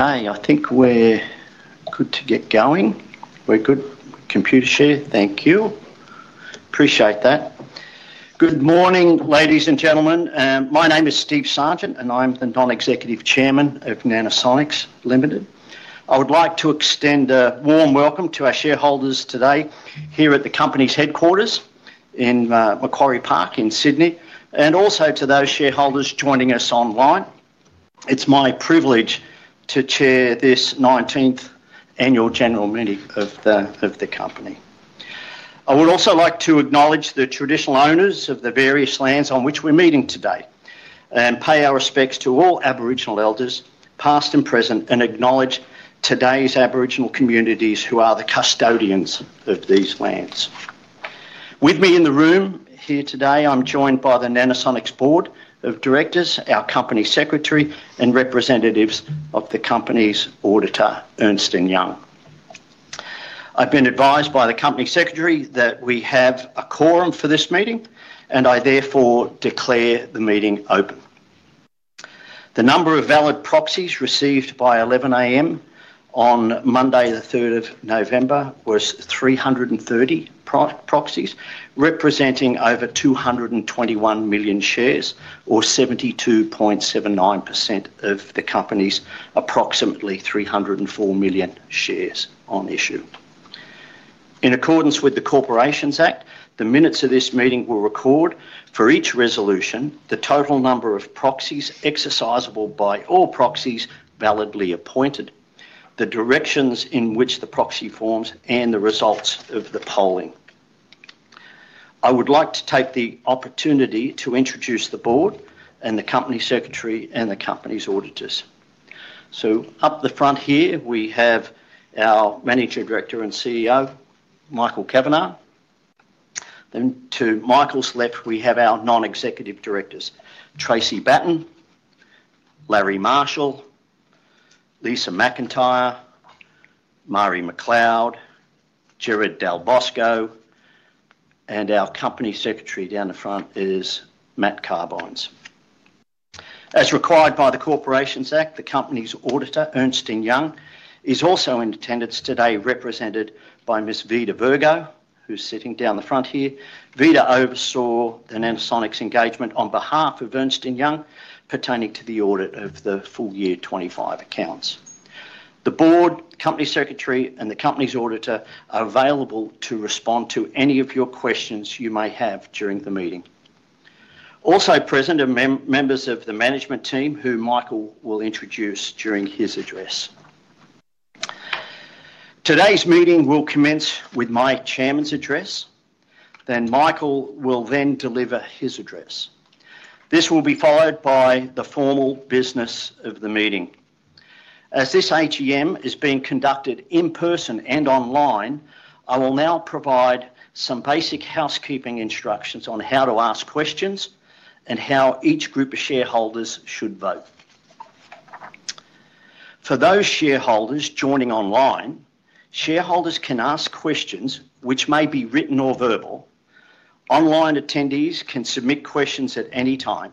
Okay, I think we're good to get going. We're good. Computershare, thank you. Appreciate that. Good morning, ladies and gentlemen. My name is Steve Sargent, and I'm the Non-Executive Chairman of Nanosonics Limited. I would like to extend a warm welcome to our shareholders today here at the company's headquarters in Macquarie Park in Sydney, and also to those shareholders joining us online. It's my privilege to chair this 19th Annual General Meeting of the company. I would also like to acknowledge the traditional owners of the various lands on which we're meeting today and pay our respects to all Aboriginal elders, past and present, and acknowledge today's Aboriginal communities who are the custodians of these lands. With me in the room here today, I'm joined by the Nanosonics Board of Directors, our Company Secretary, and representatives of the company's auditor, Ernst & Young. I've been advised by the Company Secretary that we have a quorum for this meeting, and I therefore declare the meeting open. The number of valid proxies received by 11:00 A.M. on Monday, the 3rd of November, was 330 proxies, representing over 221 million shares, or 72.79% of the company's approximately 304 million shares on issue. In accordance with the Corporations Act, the minutes of this meeting will record, for each resolution, the total number of proxies exercisable by all proxies validly appointed, the directions in which the proxy forms, and the results of the polling. I would like to take the opportunity to introduce the Board and the Company Secretary and the Company's auditors. So, up the front here, we have our Managing Director and CEO, Michael Kavanagh. Then, to Michael's left, we have our Non-Executive Directors, Tracey Batten. Larry Marshall. Lisa McIntyre. Marie McDonald. Gerard Dalbosco. And our Company Secretary down the front is Matt Carbines. As required by the Corporations Act, the Company's Auditor, Ernst & Young, is also in attendance today, represented by Ms. Vida Virgo, who's sitting down the front here. Vida oversaw the Nanosonics engagement on behalf of Ernst & Young pertaining to the audit of the full year 2025 accounts. The Board, Company Secretary, and the Company's Auditor are available to respond to any of your questions you may have during the meeting. Also present are members of the Management team who Michael will introduce during his address. Today's meeting will commence with my Chairman address. Then Michael will then deliver his address. This will be followed by the formal business of the meeting. As this AGM is being conducted in-person and online, I will now provide some basic housekeeping instructions on how to ask questions and how each group of shareholders should vote. For those shareholders joining online, shareholders can ask questions, which may be written or verbal. Online attendees can submit questions at any time.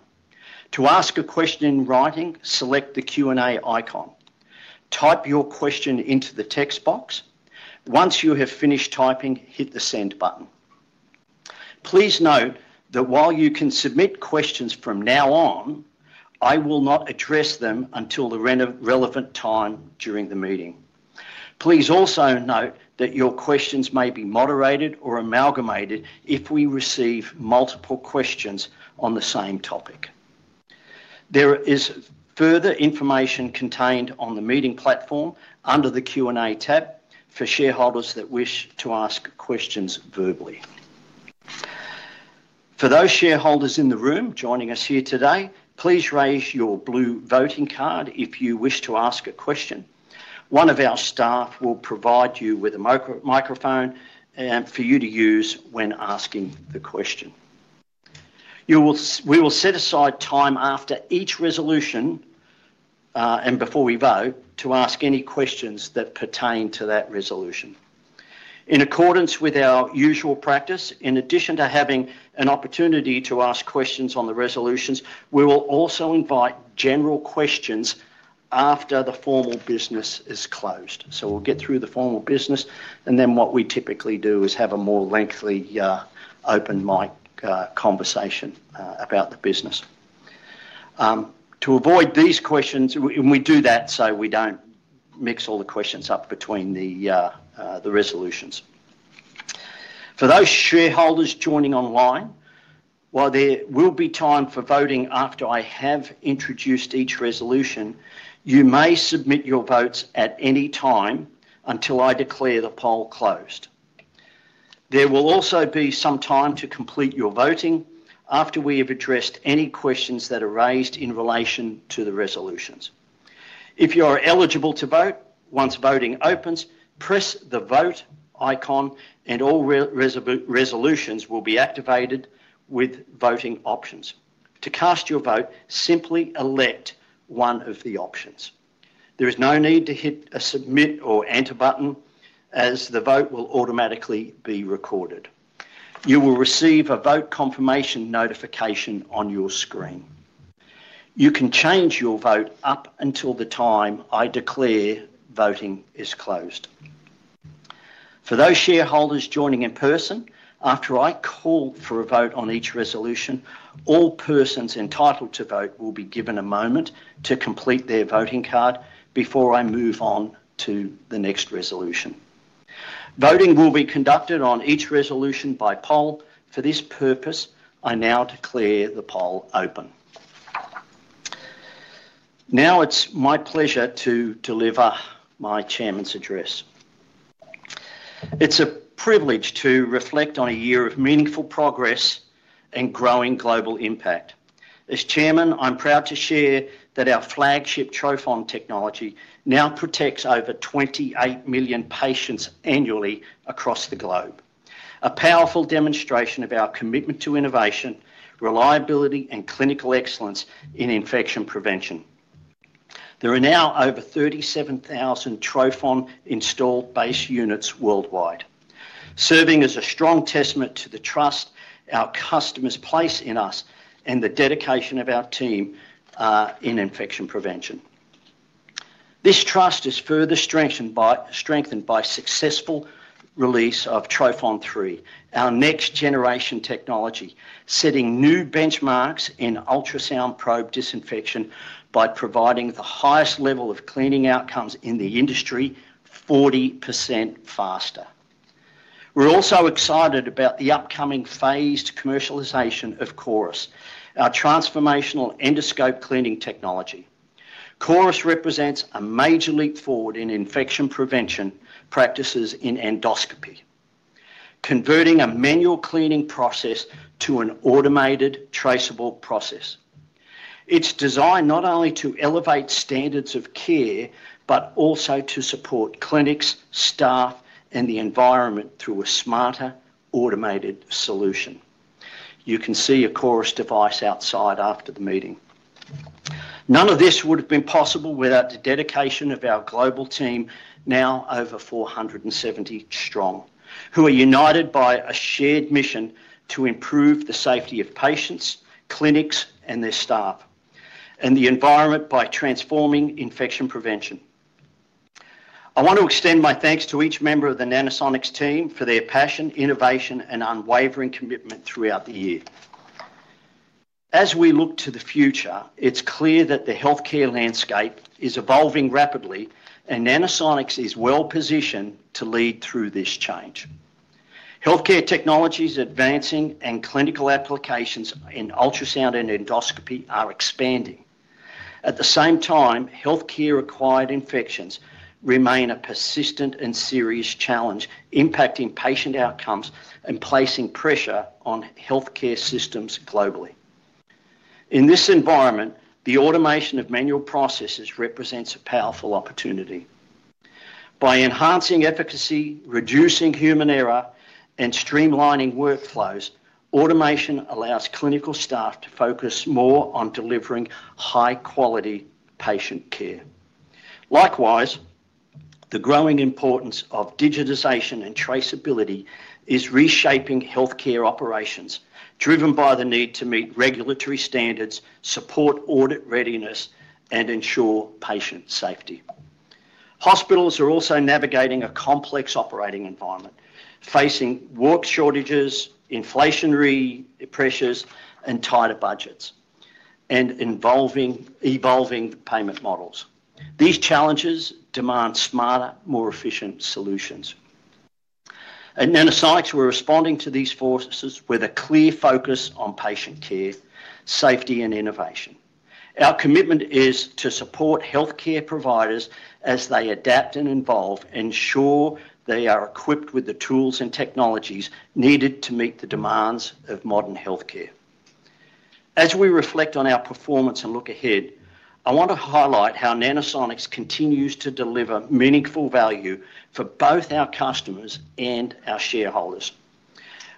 To ask a question in writing, select the Q&A icon. Type your question into the text box. Once you have finished typing, hit the send button. Please note that while you can submit questions from now on, I will not address them until the relevant time during the meeting. Please also note that your questions may be moderated or amalgamated if we receive multiple questions on the same topic. There is further information contained on the meeting platform under the Q&A tab for shareholders that wish to ask questions verbally. For those shareholders in the room joining us here today, please raise your blue Voting Card if you wish to ask a question. One of our staff will provide you with a microphone for you to use when asking the question. We will set aside time after each resolution and before we vote to ask any questions that pertain to that resolution. In accordance with our usual practice, in addition to having an opportunity to ask questions on the resolutions, we will also invite general questions after the formal business is closed. We'll get through the formal business, and then what we typically do is have a more lengthy open mic conversation about the business to avoid these questions, and we do that so we don't mix all the questions up between the resolutions. For those shareholders joining online, while there will be time for voting after I have introduced each resolution, you may submit your votes at any time until I declare the poll closed. There will also be some time to complete your voting after we have addressed any questions that are raised in relation to the resolutions. If you are eligible to vote, once voting opens, press the Vote icon, and all resolutions will be activated with voting options. To cast your vote, simply elect one of the options. There is no need to hit a Submit or Enter button, as the vote will automatically be recorded. You will receive a vote confirmation notification on your screen. You can change your vote up until the time I declare voting is closed. For those shareholders joining in person, after I call for a vote on each resolution, all persons entitled to vote will be given a moment to complete their voting card before I move on to the next resolution. Voting will be conducted on each resolution by poll. For this purpose, I now declare the poll open. Now it's my pleasure to deliver my Chairman's Address. It's a privilege to reflect on a year of meaningful progress and growing global impact. As Chairman, I'm proud to share that our flagship trophon technology now protects over 28 million patients annually across the globe, a powerful demonstration of our commitment to innovation, reliability, and clinical excellence in infection prevention. There are now over 37,000 trophon installed base units worldwide, serving as a strong testament to the trust our customers place in us and the dedication of our team in infection prevention. This trust is further strengthened by successful release of trophon3, our next-generation technology, setting new benchmarks in ultrasound probe disinfection by providing the highest level of cleaning outcomes in the industry, 40% faster. We're also excited about the upcoming phased commercialization of CORIS, our transformational endoscope cleaning technology. CORIS represents a major leap forward in infection prevention practices in endoscopy. Converting a manual cleaning process to an automated traceable process. It's designed not only to elevate standards of care but also to support clinics, staff, and the environment through a smarter, automated solution. You can see a CORIS device outside after the meeting. None of this would have been possible without the dedication of our global team, now over 470 strong, who are united by a shared mission to improve the safety of patients, clinics, and their staff, and the environment by transforming infection prevention. I want to extend my thanks to each member of the Nanosonics team for their passion, innovation, and unwavering commitment throughout the year. As we look to the future, it's clear that the healthcare landscape is evolving rapidly, and Nanosonics is well positioned to lead through this change. Healthcare technologies advancing and clinical applications in ultrasound and endoscopy are expanding. At the same time, healthcare-acquired infections remain a persistent and serious challenge, impacting patient outcomes and placing pressure on healthcare systems globally. In this environment, the automation of manual processes represents a powerful opportunity. By enhancing efficacy, reducing human error, and streamlining workflows, automation allows clinical staff to focus more on delivering high-quality patient care. Likewise, the growing importance of digitization and traceability is reshaping healthcare operations, driven by the need to meet regulatory standards, support audit readiness, and ensure patient safety. Hospitals are also navigating a complex operating environment, facing work shortages, inflationary pressures, and tighter budgets, and evolving payment models. These challenges demand smarter, more efficient solutions. At Nanosonics, we're responding to these forces with a clear focus on patient care, safety, and innovation. Our commitment is to support healthcare providers as they adapt and evolve and ensure they are equipped with the tools and technologies needed to meet the demands of modern healthcare. As we reflect on our performance and look ahead, I want to highlight how Nanosonics continues to deliver meaningful value for both our customers and our shareholders.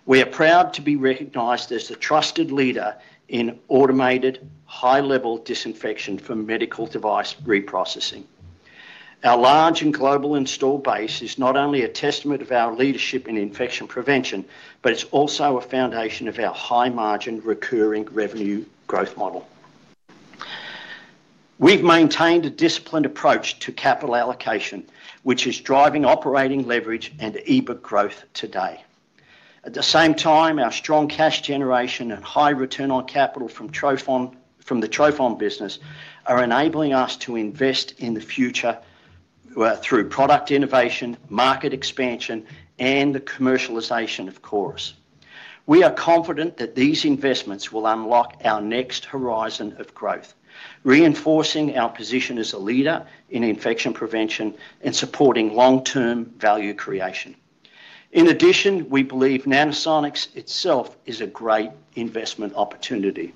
We are proud to be recognized as the trusted leader in Automated, High-Level Disinfection for Medical Device Reprocessing. Our large and global installed base is not only a testament to our leadership in Infection Prevention, but it's also a foundation of our High-Margin Recurring Revenue Growth Model. We've maintained a disciplined approach to capital allocation, which is driving operating leverage and EBIT growth today. At the same time, our strong cash generation and high return on capital from the trophon business are enabling us to invest in the future. Through product innovation, market expansion, and the commercialization of CORIS. We are confident that these investments will unlock our next horizon of growth, reinforcing our position as a leader in Infection Prevention and supporting long-term value creation. In addition, we believe Nanosonics itself is a great investment opportunity.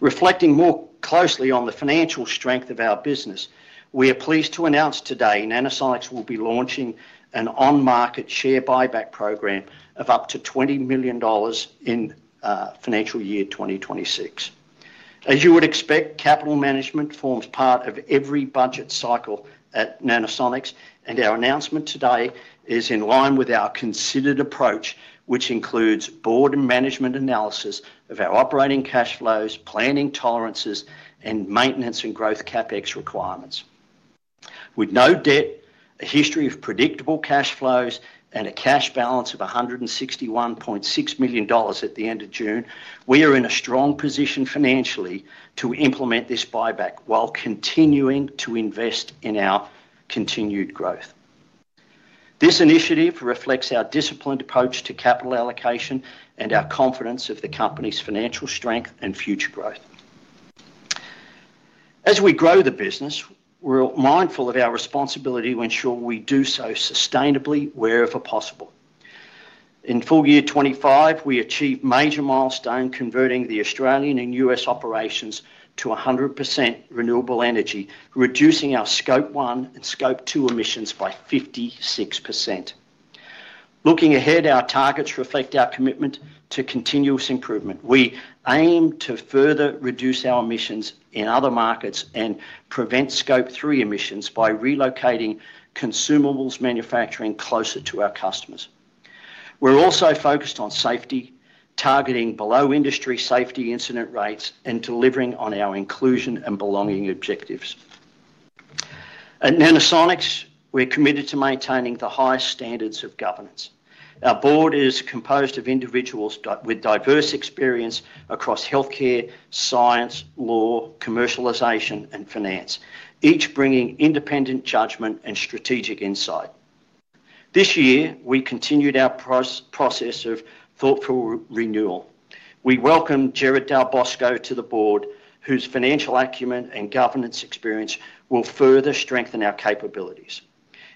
Reflecting more closely on the financial strength of our business, we are pleased to announce today Nanosonics will be launching an on-market share buyback program of up to $20 million in financial year 2026. As you would expect, capital management forms part of every budget cycle at Nanosonics, and our announcement today is in line with our considered approach, which includes Board and Management analysis of our operating cash flows, planning tolerances, and maintenance and growth CapEx requirements. With no debt, a history of predictable cash flows, and a cash balance of $161.6 million at the end of June, we are in a strong position financially to implement this buyback while continuing to invest in our continued growth. This initiative reflects our disciplined approach to capital allocation and our confidence of the company's financial strength and future growth. As we grow the business, we're mindful of our responsibility to ensure we do so sustainably, wherever possible. In full year 2025, we achieved major milestones converting the Australian and U.S. operations to 100% renewable energy, reducing our Scope 1 and Scope 2 emissions by 56%. Looking ahead, our targets reflect our commitment to continuous improvement. We aim to further reduce our emissions in other markets and prevent Scope 3 emissions by relocating consumables manufacturing closer to our customers. We're also focused on safety, targeting below-industry safety incident rates and delivering on our inclusion and belonging objectives. At Nanosonics, we're committed to maintaining the highest standards of governance. Our Board is composed of individuals with diverse experience across healthcare, science, law, commercialization, and finance, each bringing independent judgment and strategic insight. This year, we continued our process of thoughtful renewal. We welcome Gerard Dalbosco to the board, whose financial acumen and governance experience will further strengthen our capabilities.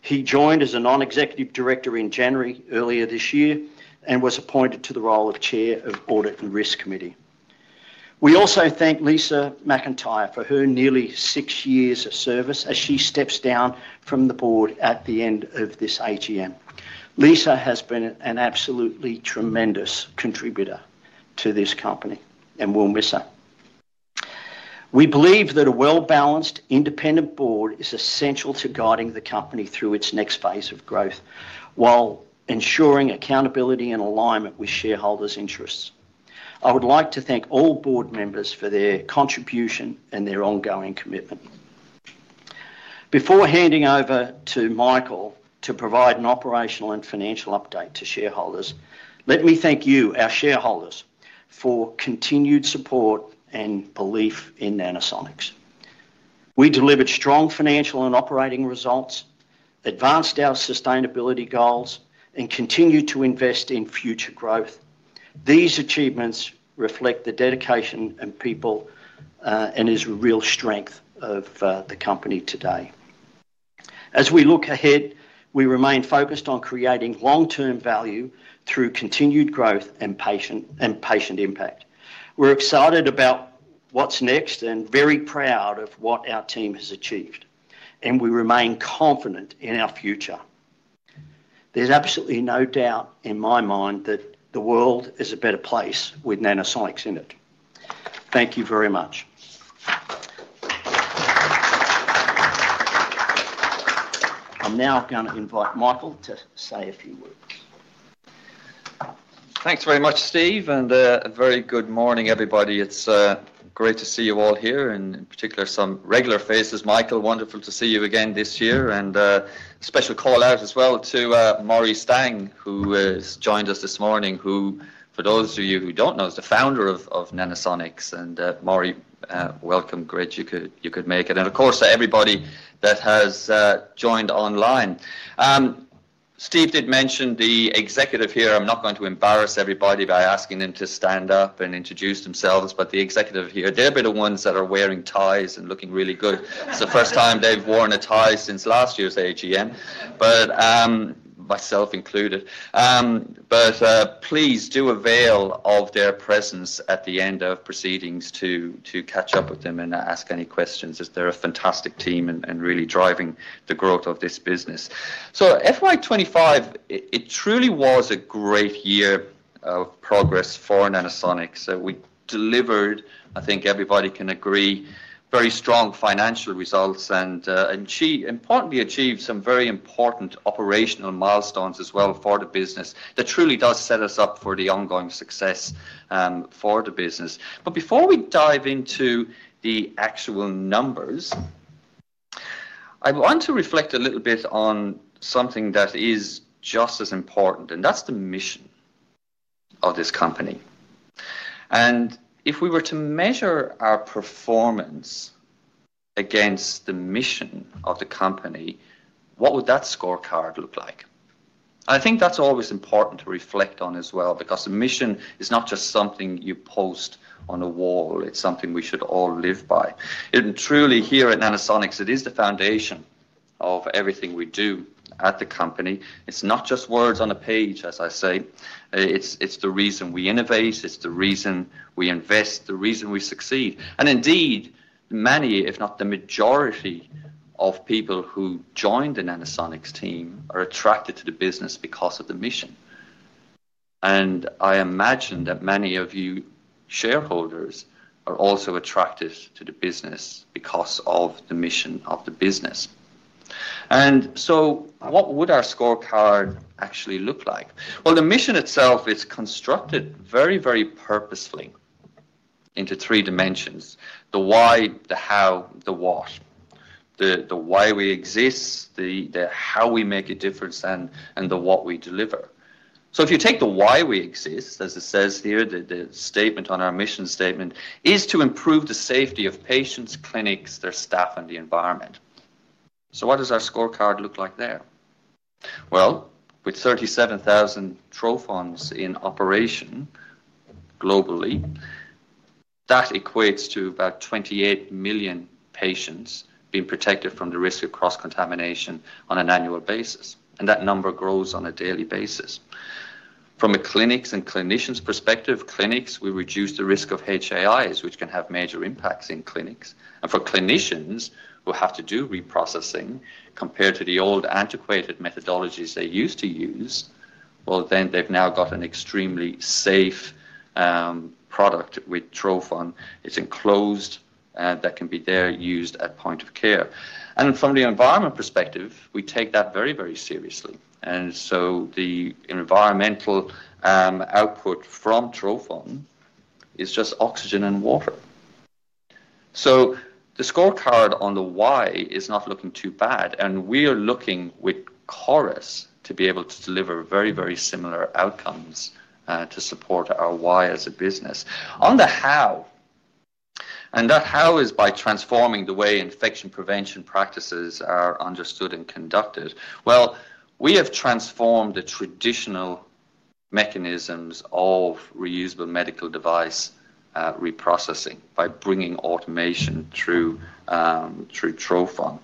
He joined as a Non-Executive Director in January earlier this year and was appointed to the role of Chair of the Audit and Risk Committee. We also thank Lisa McIntyre for her nearly six years of service as she steps down from the Board at the end of this AGM. Lisa has been an absolutely tremendous contributor to this company, and we'll miss her. We believe that a well-balanced, Independent Board is essential to guiding the company through its next phase of growth while ensuring accountability and alignment with shareholders' interests. I would like to thank all Board Members for their contribution and their ongoing commitment. Before handing over to Michael to provide an operational and financial update to shareholders, let me thank you, our shareholders, for continued support and belief in Nanosonics. We delivered strong financial and operating results, advanced our sustainability goals, and continued to invest in future growth. These achievements reflect the dedication and people. It is a real strength of the company today. As we look ahead, we remain focused on creating long-term value through continued growth and patient impact. We're excited about what's next and very proud of what our team has achieved, and we remain confident in our future. There's absolutely no doubt in my mind that the world is a better place with Nanosonics in it. Thank you very much. I'm now going to invite Michael to say a few words. Thanks very much, Steve, and a very good morning, everybody. It's great to see you all here, and in particular, some regular faces. Michael, wonderful to see you again this year, and a special call out as well to Maurie Stang, who has joined us this morning, who, for those of you who don't know, is the Founder of Nanosonics. And Maurie, welcome. Great, you could make it. And of course, to everybody that has joined online. Steve did mention the executive here. I'm not going to embarrass everybody by asking them to stand up and introduce themselves, but the Executive here, they're the ones that are wearing ties and looking really good. It's the first time they've worn a tie since last year's AGM, myself included. But please do avail of their presence at the end of proceedings to catch up with them and ask any questions, as they're a fantastic team and really driving the growth of this business. So FY 2025, it truly was a great year of progress for Nanosonics. We delivered, I think everybody can agree, very strong financial results, and we importantly achieved some very important operational milestones as well for the business. That truly does set us up for the ongoing success. But before we dive into the actual numbers, I want to reflect a little bit on something that is just as important, and that's the mission of this company. And if we were to measure our performance against the mission of the company, what would that scorecard look like? I think that's always important to reflect on as well, because the mission is not just something you post on a wall. It's something we should all live by. And truly, here at Nanosonics, it is the foundation of everything we do at the company. It's not just words on a page, as I say. It's the reason we innovate. It's the reason we invest. The reason we succeed. And indeed, many, if not the majority, of people who joined the Nanosonics team are attracted to the business because of the mission. And I imagine that many of you shareholders are also attracted to the business because of the mission of the business. And so what would our scorecard actually look like? Well, the mission itself is constructed very, very purposefully into three dimensions: the why, the how, the what. The why we exist, the how we make a difference, and the what we deliver. So if you take the why we exist, as it says here, the statement on our mission statement is to improve the safety of patients, clinics, their staff, and the environment. So what does our scorecard look like there? Well, with 37,000 trophons in operation globally, that equates to about 28 million patients being protected from the risk of cross-contamination on an annual basis. And that number grows on a daily basis. From a clinics and clinicians perspective, clinics, we reduce the risk of HAIs, which can have major impacts in clinics. And for clinicians who have to do reprocessing compared to the old antiquated methodologies they used to use, well, then they've now got an extremely safe product with trophon. It's enclosed and that can be there used at point of care. And from the environment perspective, we take that very, very seriously. And so the environmental output from trophon is just oxygen and water. So the scorecard on the why is not looking too bad, and we are looking with CORIS to be able to deliver very, very similar outcomes to support our why as a business. On the how. And that how is by transforming the way infection prevention practices are understood and conducted. Well, we have transformed the traditional mechanisms of reusable medical device reprocessing by bringing automation through trophon,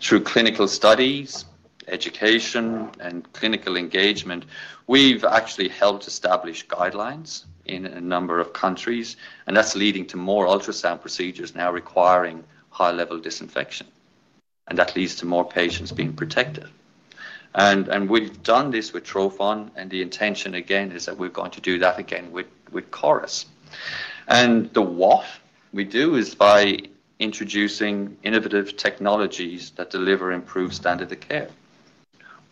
through clinical studies, education, and clinical engagement. We've actually helped establish guidelines in a number of countries, and that's leading to more ultrasound procedures now requiring high-level disinfection. And that leads to more patients being protected. And we've done this with trophon, and the intention, again, is that we're going to do that again with CORIS. And the what we do is by introducing innovative technologies that deliver improved standard of care.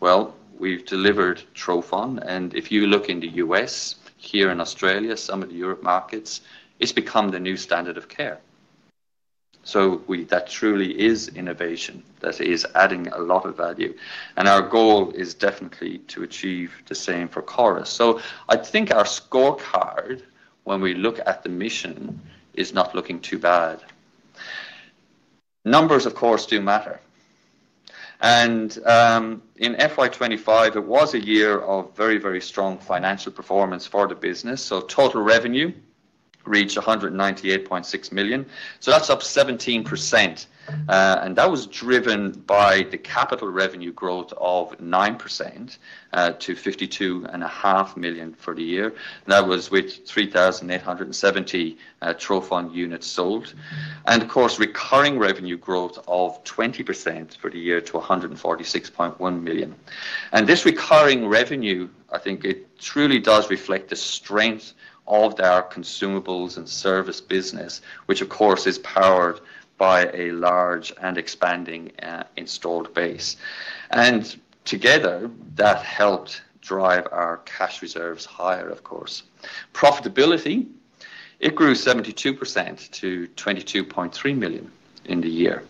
Well, we've delivered trophon, and if you look in the U.S., here in Australia, some of the Europe markets, it's become the new standard of care. So that truly is innovation. That is adding a lot of value. And our goal is definitely to achieve the same for CORIS. So I think our scorecard, when we look at the mission, is not looking too bad. Numbers, of course, do matter. And in FY 2025, it was a year of very, very strong financial performance for the business. So total revenue reached 198.6 million. So that's up 17%. And that was driven by the capital revenue growth of 9% to 52.5 million for the year. That was with 3,870 trophon units sold. And, of course, recurring revenue growth of 20% for the year to 146.1 million. And this recurring revenue, I think it truly does reflect the strength of our consumables and service business, which, of course, is powered by a large and expanding installed base. And together, that helped drive our cash reserves higher, of course. Profitability, it grew 72% to 22.3 million in the year.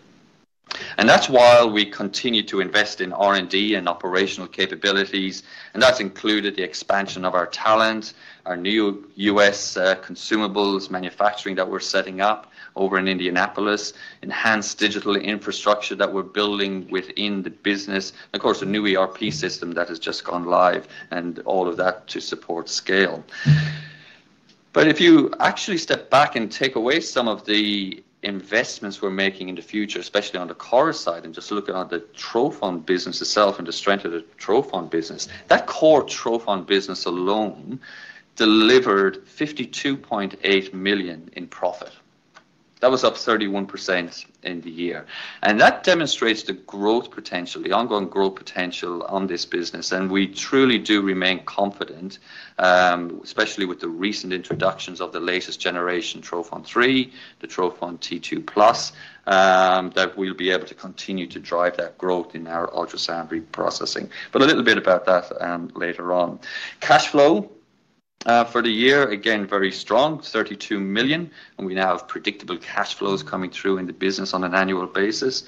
And that's while we continue to invest in R&D and operational capabilities. And that's included the expansion of our talent, our new U.S. consumables manufacturing that we're setting up over in Indianapolis, enhanced digital infrastructure that we're building within the business, and, of course, a new ERP system that has just gone live, and all of that to support scale. But if you actually step back and take away some of the investments we're making in the future, especially on the CORIS side, and just look at the trophon business itself and the strength of the trophon business, that core trophon business alone delivered 52.8 million in profit. That was up 31% in the year. And that demonstrates the growth potential, the ongoing growth potential on this business. And we truly do remain confident. Especially with the recent introductions of the latest generation trophon3, the trophon2 Plus. That we'll be able to continue to drive that growth in our ultrasound reprocessing. But a little bit about that later on. Cash flow. For the year, again, very strong, 32 million. And we now have predictable cash flows coming through in the business on an annual basis.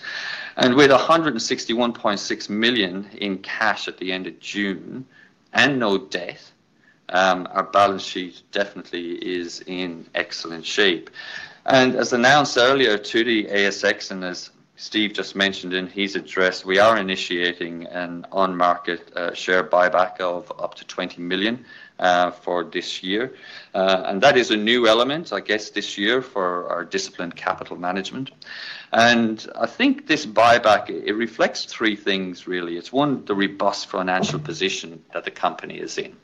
And with 161.6 million in cash at the end of June and no debt. Our balance sheet definitely is in excellent shape. And as announced earlier to the ASX, and as Steve just mentioned in his address, we are initiating an on-market share buyback of up to 20 million for this year. And that is a new element, I guess, this year for our disciplined capital management. And I think this buyback, it reflects three things, really. It's one, the robust financial position that the company is in.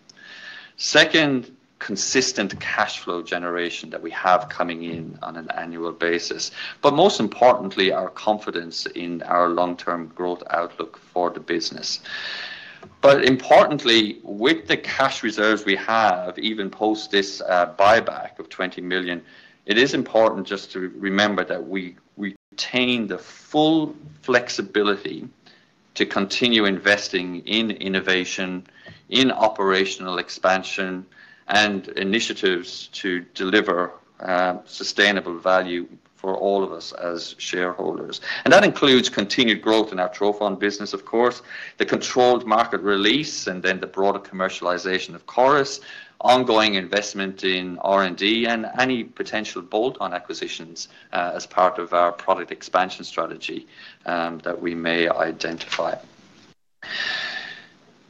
Second, consistent cash flow generation that we have coming in on an annual basis. But most importantly, our confidence in our long-term growth outlook for the business. But importantly, with the cash reserves we have, even post this buyback of 20 million, it is important just to remember that we retain the full flexibility to continue investing in innovation, in operational expansion, and initiatives to deliver. Sustainable value for all of us as shareholders. And that includes continued growth in our trophon business, of course, the controlled market release, and then the broader commercialization of CORIS, ongoing investment in R&D, and any potential bolt-on acquisitions as part of our product expansion strategy that we may identify.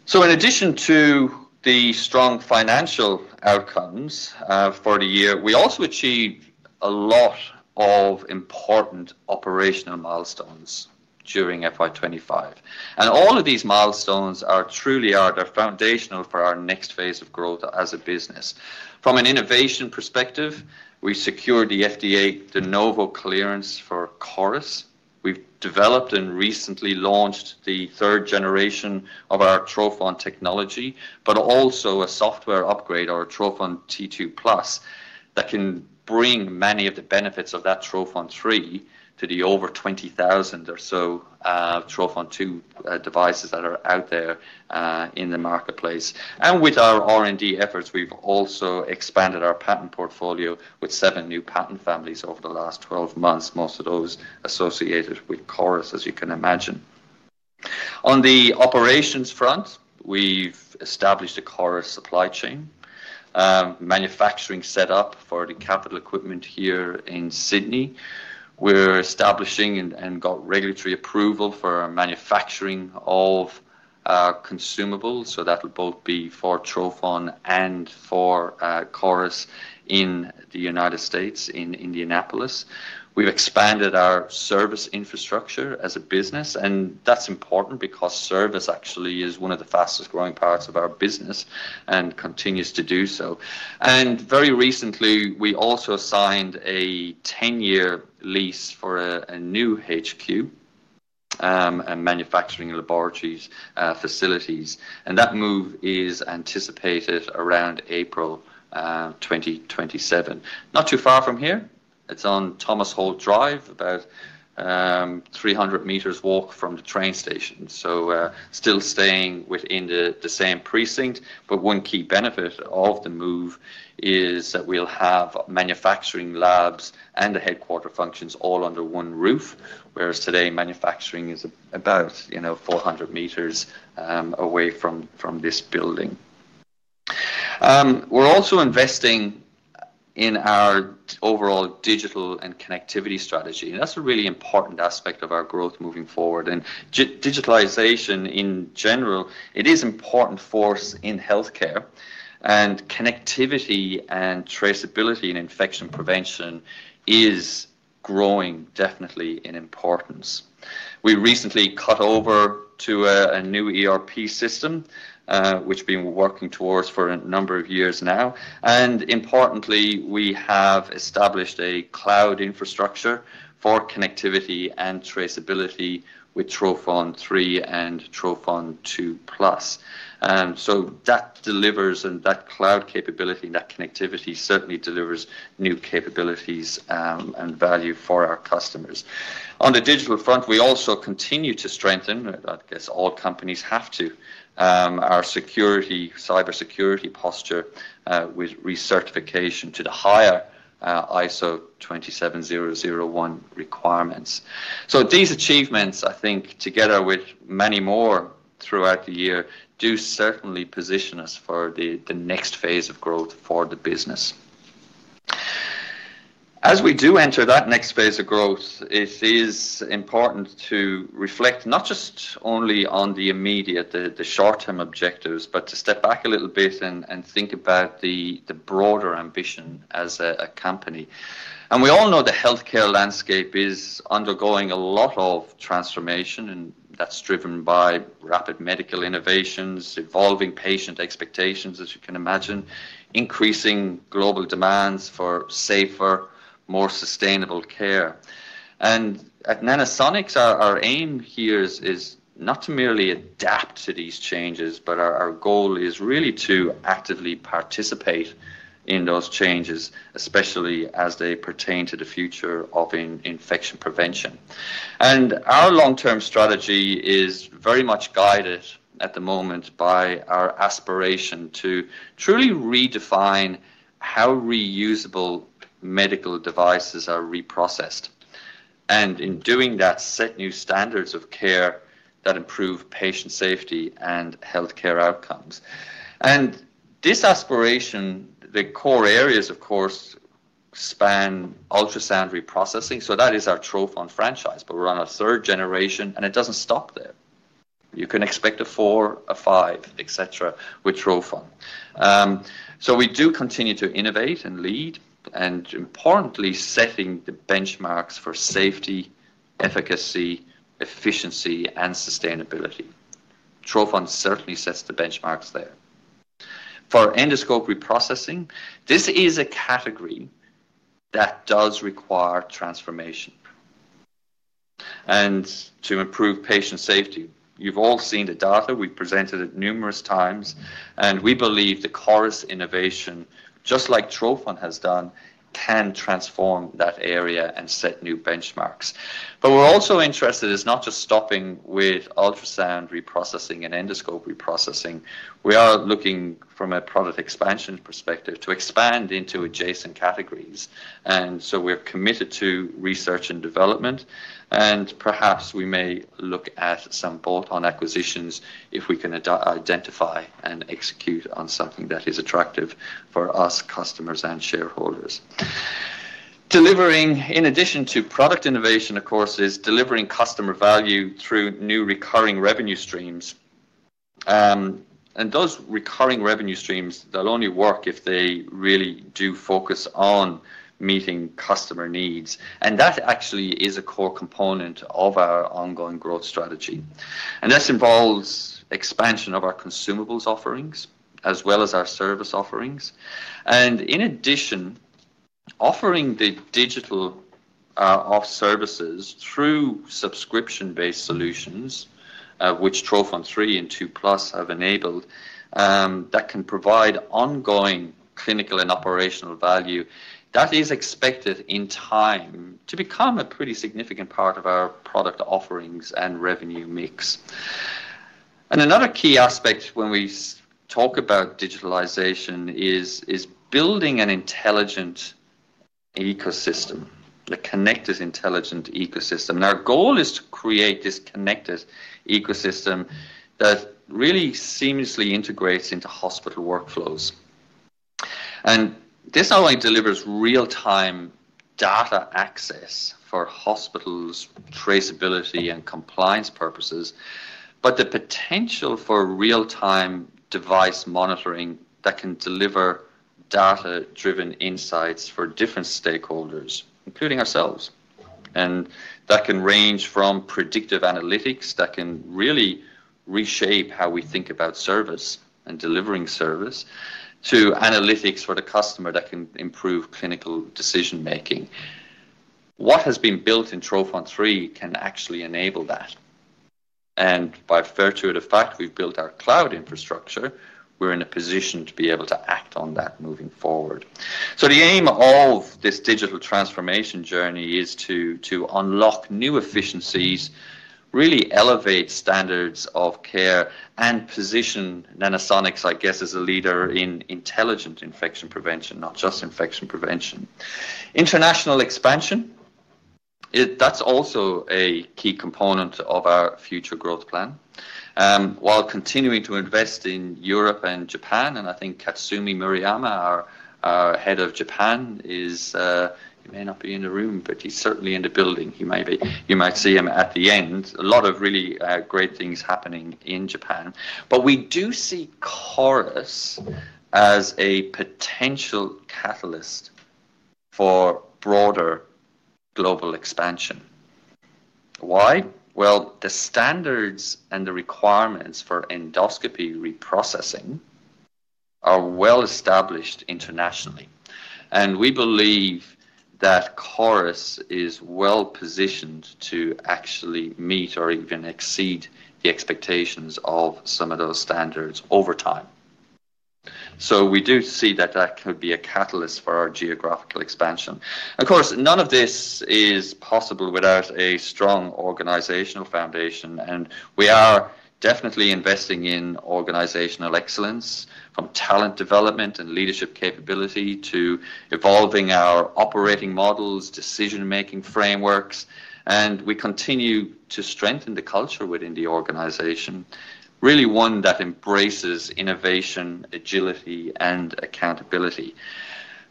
So in addition to the strong financial outcomes for the year, we also achieved a lot of important operational milestones during FY 2025. And all of these milestones are truly foundational for our next phase of growth as a business. From an innovation perspective, we secured the FDA de novo clearance for CORIS. We've developed and recently launched the third generation of our trophon technology, but also a software upgrade, our trophon2 Plus, that can bring many of the benefits of that trophon3 to the over 20,000 or so trophon2 devices that are out there in the marketplace. And with our R&D efforts, we've also expanded our patent portfolio with seven new patent families over the last 12 months, most of those associated with CORIS, as you can imagine. On the operations front, we've established a CORIS supply chain. Manufacturing setup for the capital equipment here in Sydney. We're establishing and got regulatory approval for manufacturing of consumables. So that will both be for trophon and for CORIS in the United States, in Indianapolis. We've expanded our service infrastructure as a business, and that's important because service actually is one of the fastest growing parts of our business and continues to do so. And very recently, we also signed a 10-year lease for a new HQ and manufacturing laboratories facilities. And that move is anticipated around April 2027. Not too far from here. It's on Thomas Holt Drive, about 300 m walk from the train station. So still staying within the same precinct, but one key benefit of the move is that we'll have manufacturing labs and the headquarter functions all under one roof, whereas today manufacturing is about 400 m away from this building. We're also investing in our overall digital and connectivity strategy. And that's a really important aspect of our growth moving forward. And digitalization in general, it is important for us in healthcare. And connectivity and traceability in infection prevention is growing definitely in importance. We recently cut over to a new ERP system, which we've been working towards for a number of years now. And importantly, we have established a cloud infrastructure for connectivity and traceability with trophon3 and trophon2 Plus. So that delivers, and that cloud capability and that connectivity certainly delivers new capabilities and value for our customers. On the digital front, we also continue to strengthen, I guess all companies have to. Our security, cybersecurity posture with recertification to the higher ISO 27001 requirements. So these achievements, I think, together with many more throughout the year, do certainly position us for the next phase of growth for the business. As we do enter that next phase of growth, it is important to reflect not just only on the immediate, the short-term objectives, but to step back a little bit and think about the broader ambition as a company. And we all know the healthcare landscape is undergoing a lot of transformation, and that's driven by rapid medical innovations, evolving patient expectations, as you can imagine, increasing global demands for safer, more sustainable care. And at Nanosonics, our aim here is not to merely adapt to these changes, but our goal is really to actively participate in those changes, especially as they pertain to the future of infection prevention. And our long-term strategy is very much guided at the moment by our aspiration to truly redefine how reusable medical devices are reprocessed. And in doing that, set new standards of care that improve patient safety and healthcare outcomes. And this aspiration, the core areas, of course, span ultrasound reprocessing. So that is our trophon franchise, but we're on our third generation, and it doesn't stop there. You can expect a four, a five, etc., with trophon. So we do continue to innovate and lead, and importantly, setting the benchmarks for safety, efficacy, efficiency, and sustainability. trophon certainly sets the benchmarks there. For endoscope reprocessing, this is a category that does require transformation. And to improve patient safety, you've all seen the data. We've presented it numerous times. And we believe the CORIS innovation, just like trophon has done, can transform that area and set new benchmarks. But we're also interested in not just stopping with ultrasound reprocessing and endoscope reprocessing. We are looking from a product expansion perspective to expand into adjacent categories. And so we're committed to research and development. And perhaps we may look at some bolt-on acquisitions if we can identify and execute on something that is attractive for us, customers and shareholders. Delivering, in addition to product innovation, of course, is delivering customer value through new recurring revenue streams. And those recurring revenue streams, they'll only work if they really do focus on meeting customer needs. And that actually is a core component of our ongoing growth strategy. And this involves expansion of our consumables offerings as well as our service offerings. And in addition, offering the digital services through subscription-based solutions, which trophon3 and 2 Plus have enabled. That can provide ongoing clinical and operational value that is expected in time to become a pretty significant part of our product offerings and revenue mix. And another key aspect when we talk about digitalization is building an intelligent ecosystem, a connected intelligent ecosystem. And our goal is to create this connected ecosystem that really seamlessly integrates into hospital workflows. And this not only delivers real-time data access for hospitals' traceability and compliance purposes, but the potential for real-time device monitoring that can deliver data-driven insights for different stakeholders, including ourselves. And that can range from predictive analytics that can really reshape how we think about service and delivering service to analytics for the customer that can improve clinical decision-making. What has been built in trophon3 can actually enable that. And by virtue of the fact we've built our cloud infrastructure, we're in a position to be able to act on that moving forward. So the aim of this digital transformation journey is to unlock new efficiencies, really elevate standards of care, and position Nanosonics, I guess, as a leader in intelligent infection prevention, not just infection prevention. International expansion. That's also a key component of our future growth plan. While continuing to invest in Europe and Japan, and I think Katsumi Murayama, our Head of Japan, is. He may not be in the room, but he's certainly in the building. You might see him at the end. A lot of really great things happening in Japan. But we do see CORIS as a potential catalyst for broader global expansion. Why? The standards and the requirements for endoscopy reprocessing are well-established internationally. And we believe that CORIS is well-positioned to actually meet or even exceed the expectations of some of those standards over time. So we do see that that could be a catalyst for our geographical expansion. Of course, none of this is possible without a strong organizational foundation. And we are definitely investing in organizational excellence, from talent development and leadership capability to evolving our operating models, decision-making frameworks. And we continue to strengthen the culture within the organization, really one that embraces innovation, agility, and accountability.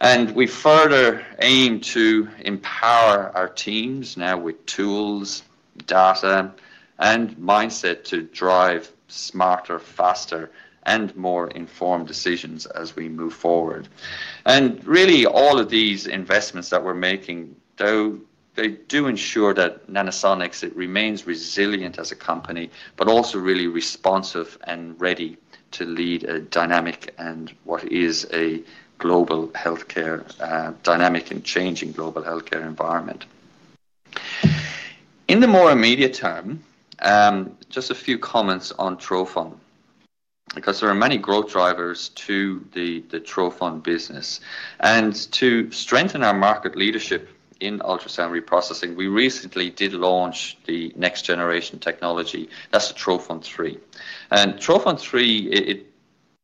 And we further aim to empower our teams now with tools, data, and mindset to drive smarter, faster, and more informed decisions as we move forward. And really, all of these investments that we're making. They do ensure that Nanosonics remains resilient as a company, but also really responsive and ready to lead a dynamic and what is a global healthcare dynamic and changing global healthcare environment. In the more immediate term. Just a few comments on trophon. Because there are many growth drivers to the trophon business. And to strengthen our market leadership in ultrasound reprocessing, we recently did launch the next-generation technology. That's trophon3. And trophon3, it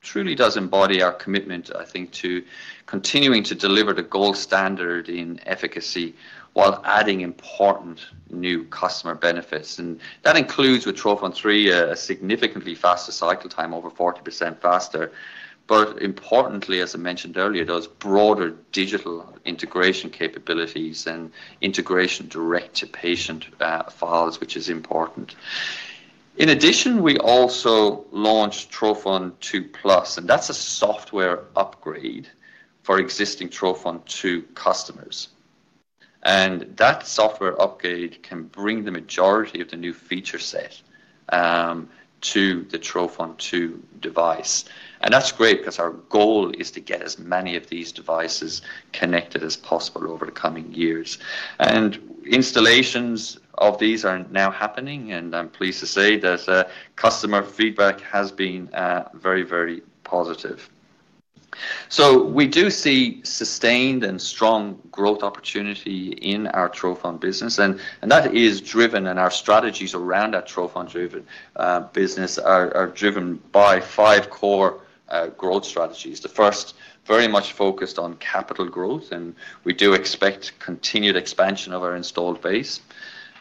truly does embody our commitment, I think, to continuing to deliver the gold standard in efficacy while adding important new customer benefits. And that includes, with trophon3, a significantly faster cycle time, over 40% faster. But importantly, as I mentioned earlier, those broader digital integration capabilities and integration direct to patient files, which is important. In addition, we also launched trophon2 Plus, and that's a software upgrade for existing trophon2 customers. And that software upgrade can bring the majority of the new feature set. To the trophon2 device. And that's great because our goal is to get as many of these devices connected as possible over the coming years. And installations of these are now happening, and I'm pleased to say that customer feedback has been very, very positive. So we do see sustained and strong growth opportunity in our trophon business, and that is driven, and our strategies around our trophon business are driven by five core growth strategies. The first very much focused on capital growth, and we do expect continued expansion of our installed base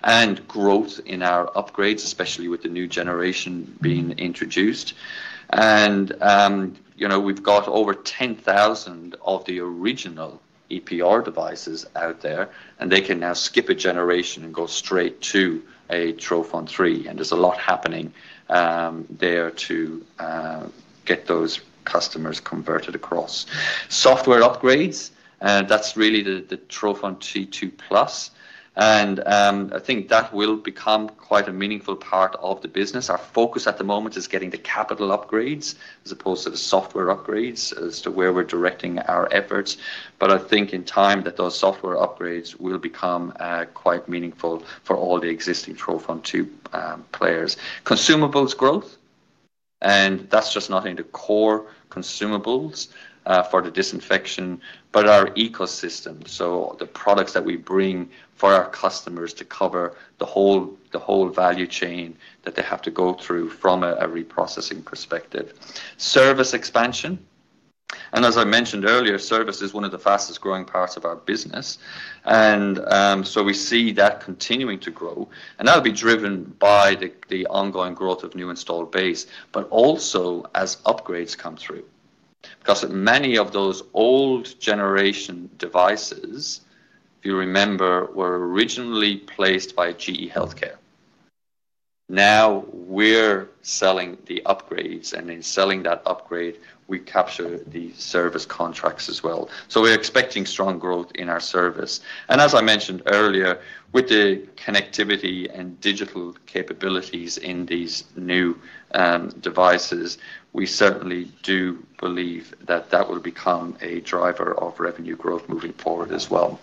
and growth in our upgrades, especially with the new generation being introduced. And. We've got over 10,000 of the original EPR devices out there, and they can now skip a generation and go straight to a trophon3. And there's a lot happening there, too. Get those customers converted across. Software upgrades, that's really the trophon2 Plus. And I think that will become quite a meaningful part of the business. Our focus at the moment is getting the capital upgrades as opposed to the software upgrades as to where we're directing our efforts. But I think in time that those software upgrades will become quite meaningful for all the existing trophon2 players. Consumables growth. And that's just not in the core consumables for the disinfection, but our ecosystem. So the products that we bring for our customers to cover the whole value chain that they have to go through from a reprocessing perspective. Service expansion. And as I mentioned earlier, service is one of the fastest-growing parts of our business. And so we see that continuing to grow. And that'll be driven by the ongoing growth of new installed base, but also as upgrades come through. Because many of those old-generation devices, if you remember, were originally placed by GE Healthcare. Now we're selling the upgrades, and in selling that upgrade, we capture the service contracts as well. So we're expecting strong growth in our service. And as I mentioned earlier, with the connectivity and digital capabilities in these new devices, we certainly do believe that that will become a driver of revenue growth moving forward as well.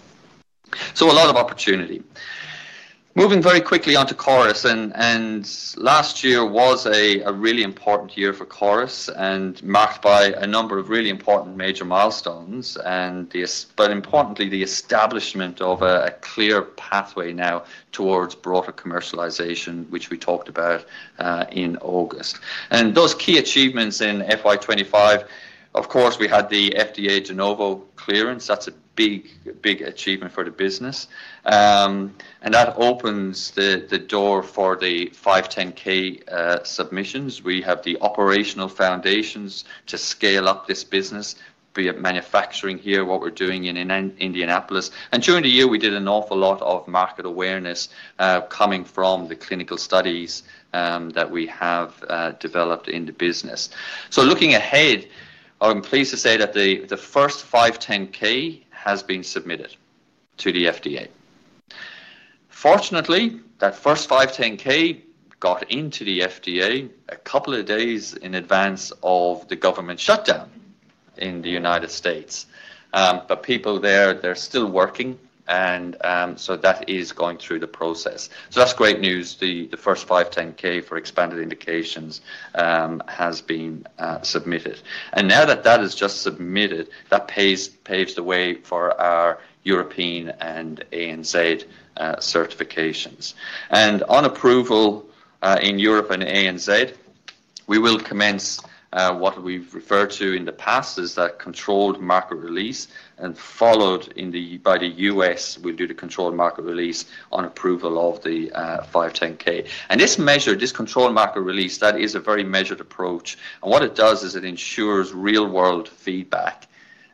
So a lot of opportunity. Moving very quickly on to CORIS. And last year was a really important year for CORIS and marked by a number of really important major milestones, but importantly, the establishment of a clear pathway now towards broader commercialization, which we talked about in August. And those key achievements in FY 2025, of course, we had the FDA de novo clearance. That's a big, big achievement for the business. And that opens the door for the 510(k) submissions. We have the operational foundations to scale up this business. Be it manufacturing here, what we're doing in Indianapolis. And during the year, we did an awful lot of market awareness coming from the clinical studies that we have developed in the business. So looking ahead, I'm pleased to say that the first 510(k) has been submitted to the FDA. Fortunately, that first 510(k) got into the FDA a couple of days in advance of the government shutdown in the United States. But people there, they're still working. And so that is going through the process. So that's great news. The first 510(k) for expanded indications has been submitted. And now that that is just submitted, that paves the way for our European and ANZ certifications. And on approval in Europe and ANZ, we will commence what we've referred to in the past as that controlled market release. And followed by the U.S., we'll do the controlled market release on approval of the 510(k). And this measure, this controlled market release, that is a very measured approach. And what it does is it ensures real-world feedback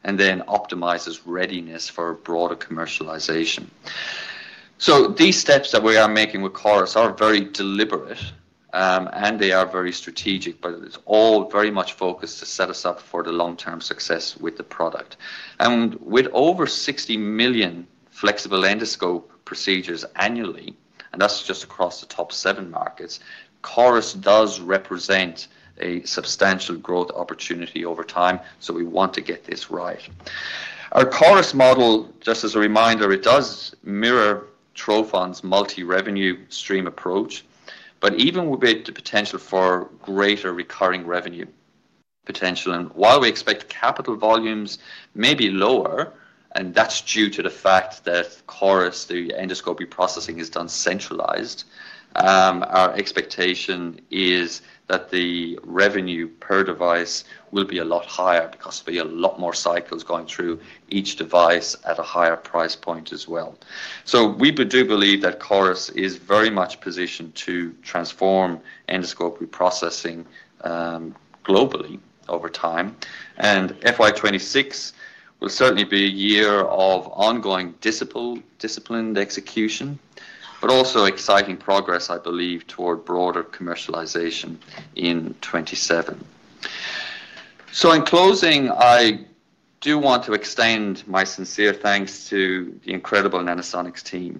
and then optimizes readiness for broader commercialization. So these steps that we are making with CORIS are very deliberate. And they are very strategic, but it's all very much focused to set us up for the long-term success with the product. And with over 60 million flexible endoscope procedures annually, and that's just across the top seven markets, CORIS does represent a substantial growth opportunity over time. So we want to get this right. Our CORIS model, just as a reminder, it does mirror trophon's multi-revenue stream approach, but even with the potential for greater recurring revenue potential. And while we expect capital volumes may be lower, and that's due to the fact that CORIS, the endoscopy processing is done centralized. Our expectation is that the revenue per device will be a lot higher because there'll be a lot more cycles going through each device at a higher price point as well. So we do believe that CORIS is very much positioned to transform endoscopy processing globally over time. And FY 2026 will certainly be a year of ongoing disciplined execution, but also exciting progress, I believe, toward broader commercialization in 2027. So in closing, I do want to extend my sincere thanks to the incredible Nanosonics team.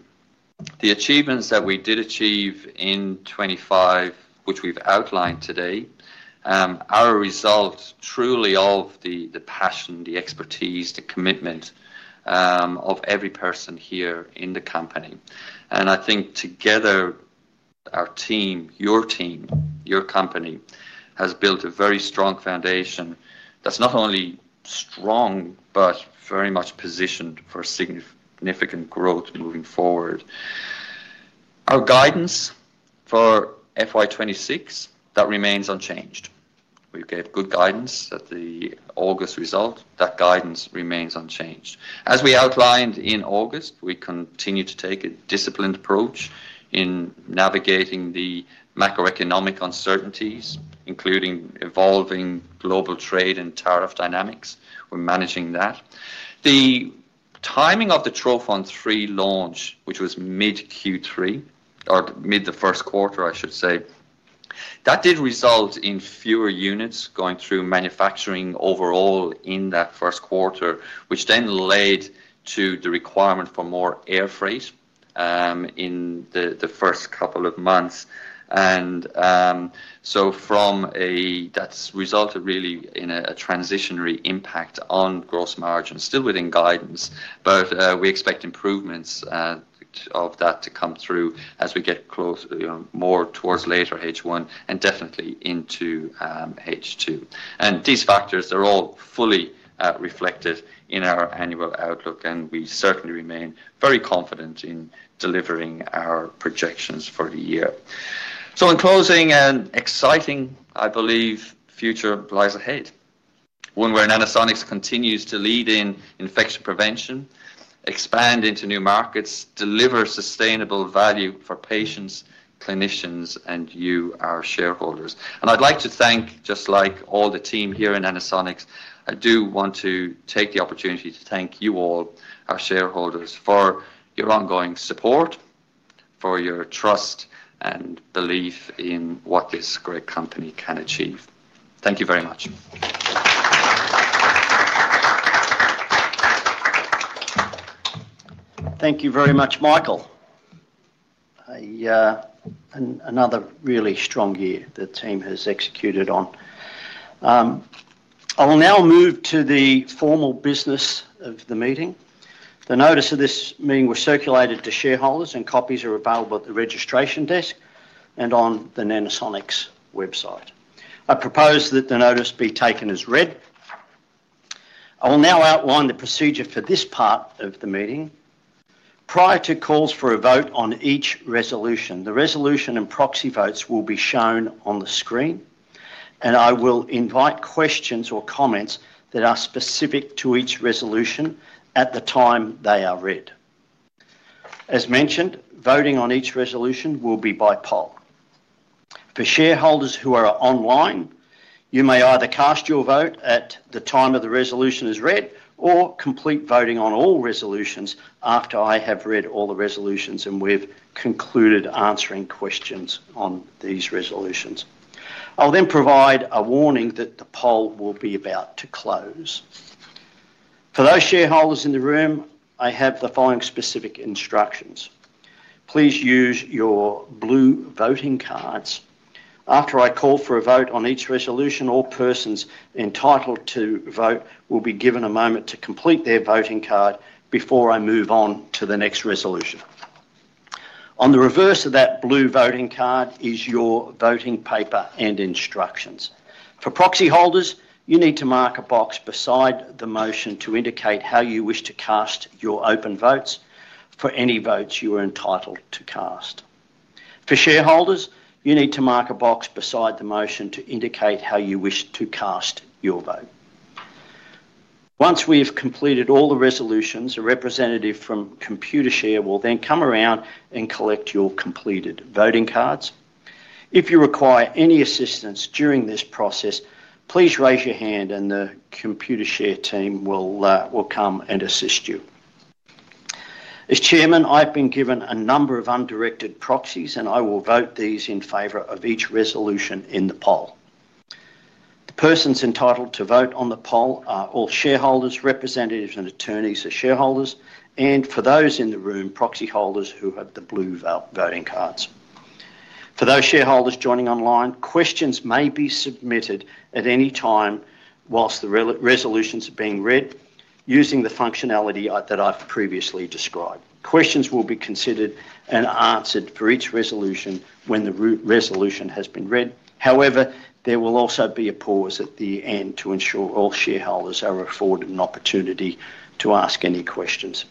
The achievements that we did achieve in 2025, which we've outlined today, are a result truly of the passion, the expertise, the commitment of every person here in the company. And I think together, our team, your team, your company has built a very strong foundation that's not only strong, but very much positioned for significant growth moving forward. Our guidance for FY 2026, that remains unchanged. We gave good guidance at the August result. That guidance remains unchanged. As we outlined in August, we continue to take a disciplined approach in navigating the macroeconomic uncertainties, including evolving global trade and tariff dynamics. We're managing that. Timing of the trophon3 launch, which was mid-Q3 or mid the first quarter, I should say. That did result in fewer units going through manufacturing overall in that first quarter, which then led to the requirement for more air freight in the first couple of months. And so from a, that's resulted really in a transitional impact on gross margin, still within guidance, but we expect improvements of that to come through as we get closer more towards later H1 and definitely into H2. And these factors, they're all fully reflected in our annual outlook, and we certainly remain very confident in delivering our projections for the year. So in closing, an exciting, I believe, future lies ahead. One where Nanosonics continues to lead in infection prevention, expand into new markets, deliver sustainable value for patients, clinicians, and you, our shareholders. And I'd like to thank, just like all the team here in Nanosonics, I do want to take the opportunity to thank you all, our shareholders, for your ongoing support. For your trust and belief in what this great company can achieve. Thank you very much. Thank you very much, Michael. Another really strong year the team has executed on. I will now move to the formal business of the meeting. The notice of this meeting was circulated to shareholders, and copies are available at the registration desk and on the Nanosonics website. I propose that the notice be taken as read. I will now outline the procedure for this part of the meeting. Prior to calls for a vote on each resolution, the resolution and proxy votes will be shown on the screen, and I will invite questions or comments that are specific to each resolution at the time they are read. As mentioned, voting on each resolution will be by poll. For shareholders who are online, you may either cast your vote at the time of the resolution is read or complete voting on all resolutions after I have read all the resolutions and we've concluded answering questions on these resolutions. I'll then provide a warning that the poll will be about to close. For those shareholders in the room, I have the following specific instructions. Please use your blue Voting Cards. After I call for a vote on each resolution, all persons entitled to vote will be given a moment to complete their Voting Card before I move on to the next resolution. On the reverse of that blue Voting Card is your voting paper and instructions. For proxy holders, you need to mark a box beside the motion to indicate how you wish to cast your open votes for any votes you are entitled to cast. For shareholders, you need to mark a box beside the motion to indicate how you wish to cast your vote. Once we have completed all the resolutions, a representative from Computershare will then come around and collect your completed voting cards. If you require any assistance during this process, please raise your hand and the Computershare team will come and assist you. As Chairman, I've been given a number of undirected proxies, and I will vote these in favor of each resolution in the poll. The persons entitled to vote on the poll are all shareholders, representatives, and attorneys of shareholders, and for those in the room, proxy holders who have the blue Voting Cards. For those shareholders joining online, questions may be submitted at any time whilst the resolutions are being read using the functionality that I've previously described. Questions will be considered and answered for each resolution when the resolution has been read. However, there will also be a pause at the end to ensure all shareholders are afforded an opportunity to ask any questions.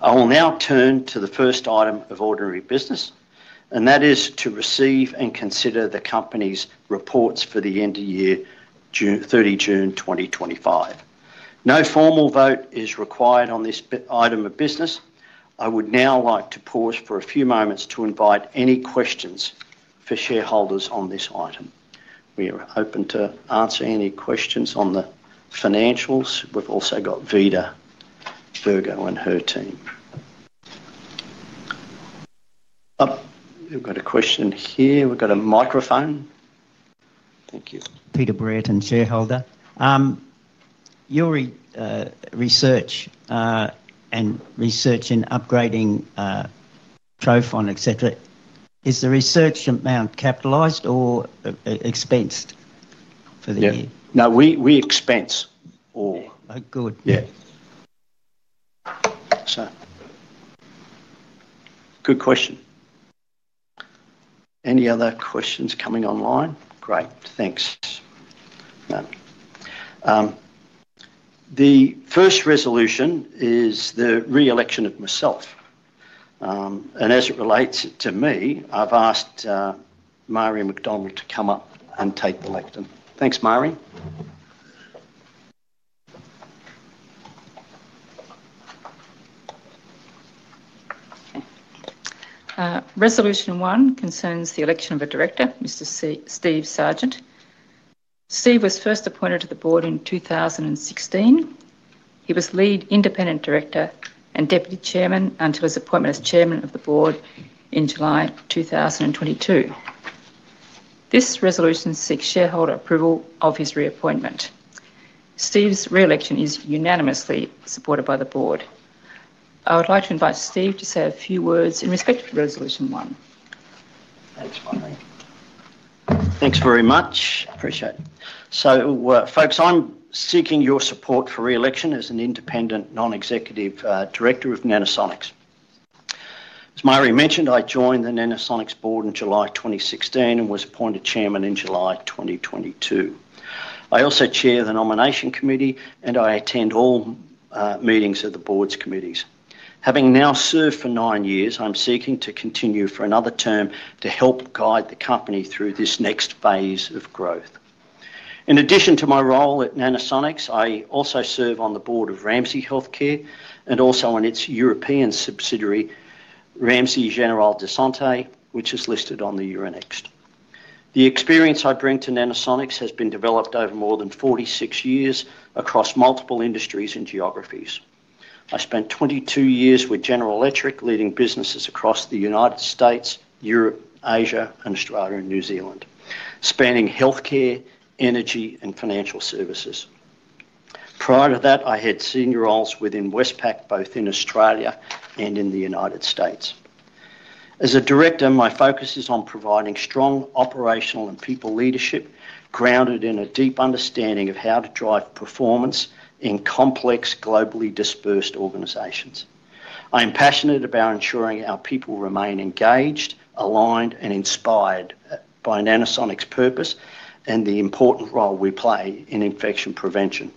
I will now turn to the first item of ordinary business, and that is to receive and consider the company's reports for the end of year, 30 June 2025. No formal vote is required on this item of business. I would now like to pause for a few moments to invite any questions for shareholders on this item. We are open to answer any questions on the financials. We've also got Vida Virgo and her team. We've got a question here. We've got a microphone. Thank you. Peter Bretton, shareholder. Your research and research in upgrading trophon, etc., is the research amount capitalized or expensed for the year? No, we expense all. Oh, good. Yeah. So. Good question. Any other questions coming online? Great. Thanks. The first resolution is the reelection of myself. And as it relates to me, I've asked Marie McDonald to come up and take the lectern. Thanks, Marie. Resolution one concerns the election of a director, Mr. Steve Sargent. Steve was first appointed to the board in 2016. He was lead independent director and deputy chairman until his appointment as chairman of the board in July 2022. This resolution seeks shareholder approval of his reappointment. Steve's reelection is unanimously supported by the Board. I would like to invite Steve to say a few words in respect to Resolution 1. Thanks, Marie. Thanks very much. Appreciate it. So, folks, I'm seeking your support for reelection as an independent non-executive director of Nanosonics. As Marie mentioned, I joined the Nanosonics Board in July 2016 and was appointed chairman in July 2022. I also chair the Nomination Committee, and I attend all meetings of the Board's committees. Having now served for nine years, I'm seeking to continue for another term to help guide the company through this next phase of growth. In addition to my role at Nanosonics, I also serve on the board of Ramsay Health Care and also on its European subsidiary, Ramsay Générale de Santé, which is listed on the Euronext. The experience I bring to Nanosonics has been developed over more than 46 years across multiple industries and geographies. I spent 22 years with General Electric leading businesses across the United States, Europe, Asia, and Australia and New Zealand, spanning healthcare, energy, and financial services. Prior to that, I had senior roles within Westpac, both in Australia and in the United States. As a Director, my focus is on providing strong operational and people leadership grounded in a deep understanding of how to drive performance in complex, globally dispersed organizations. I am passionate about ensuring our people remain engaged, aligned, and inspired by Nanosonics' purpose and the important role we play in infection prevention.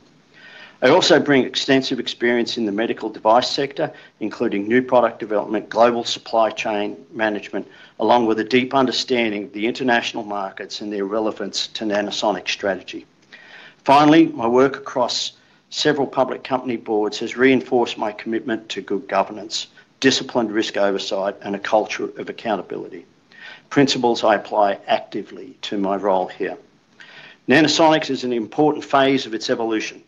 I also bring extensive experience in the medical device sector, including new product development, global supply chain management, along with a deep understanding of the international markets and their relevance to Nanosonics' strategy. Finally, my work across several public company boards has reinforced my commitment to good governance, disciplined risk oversight, and a culture of accountability. Principles I apply actively to my role here. Nanosonics is an important phase of its evolution.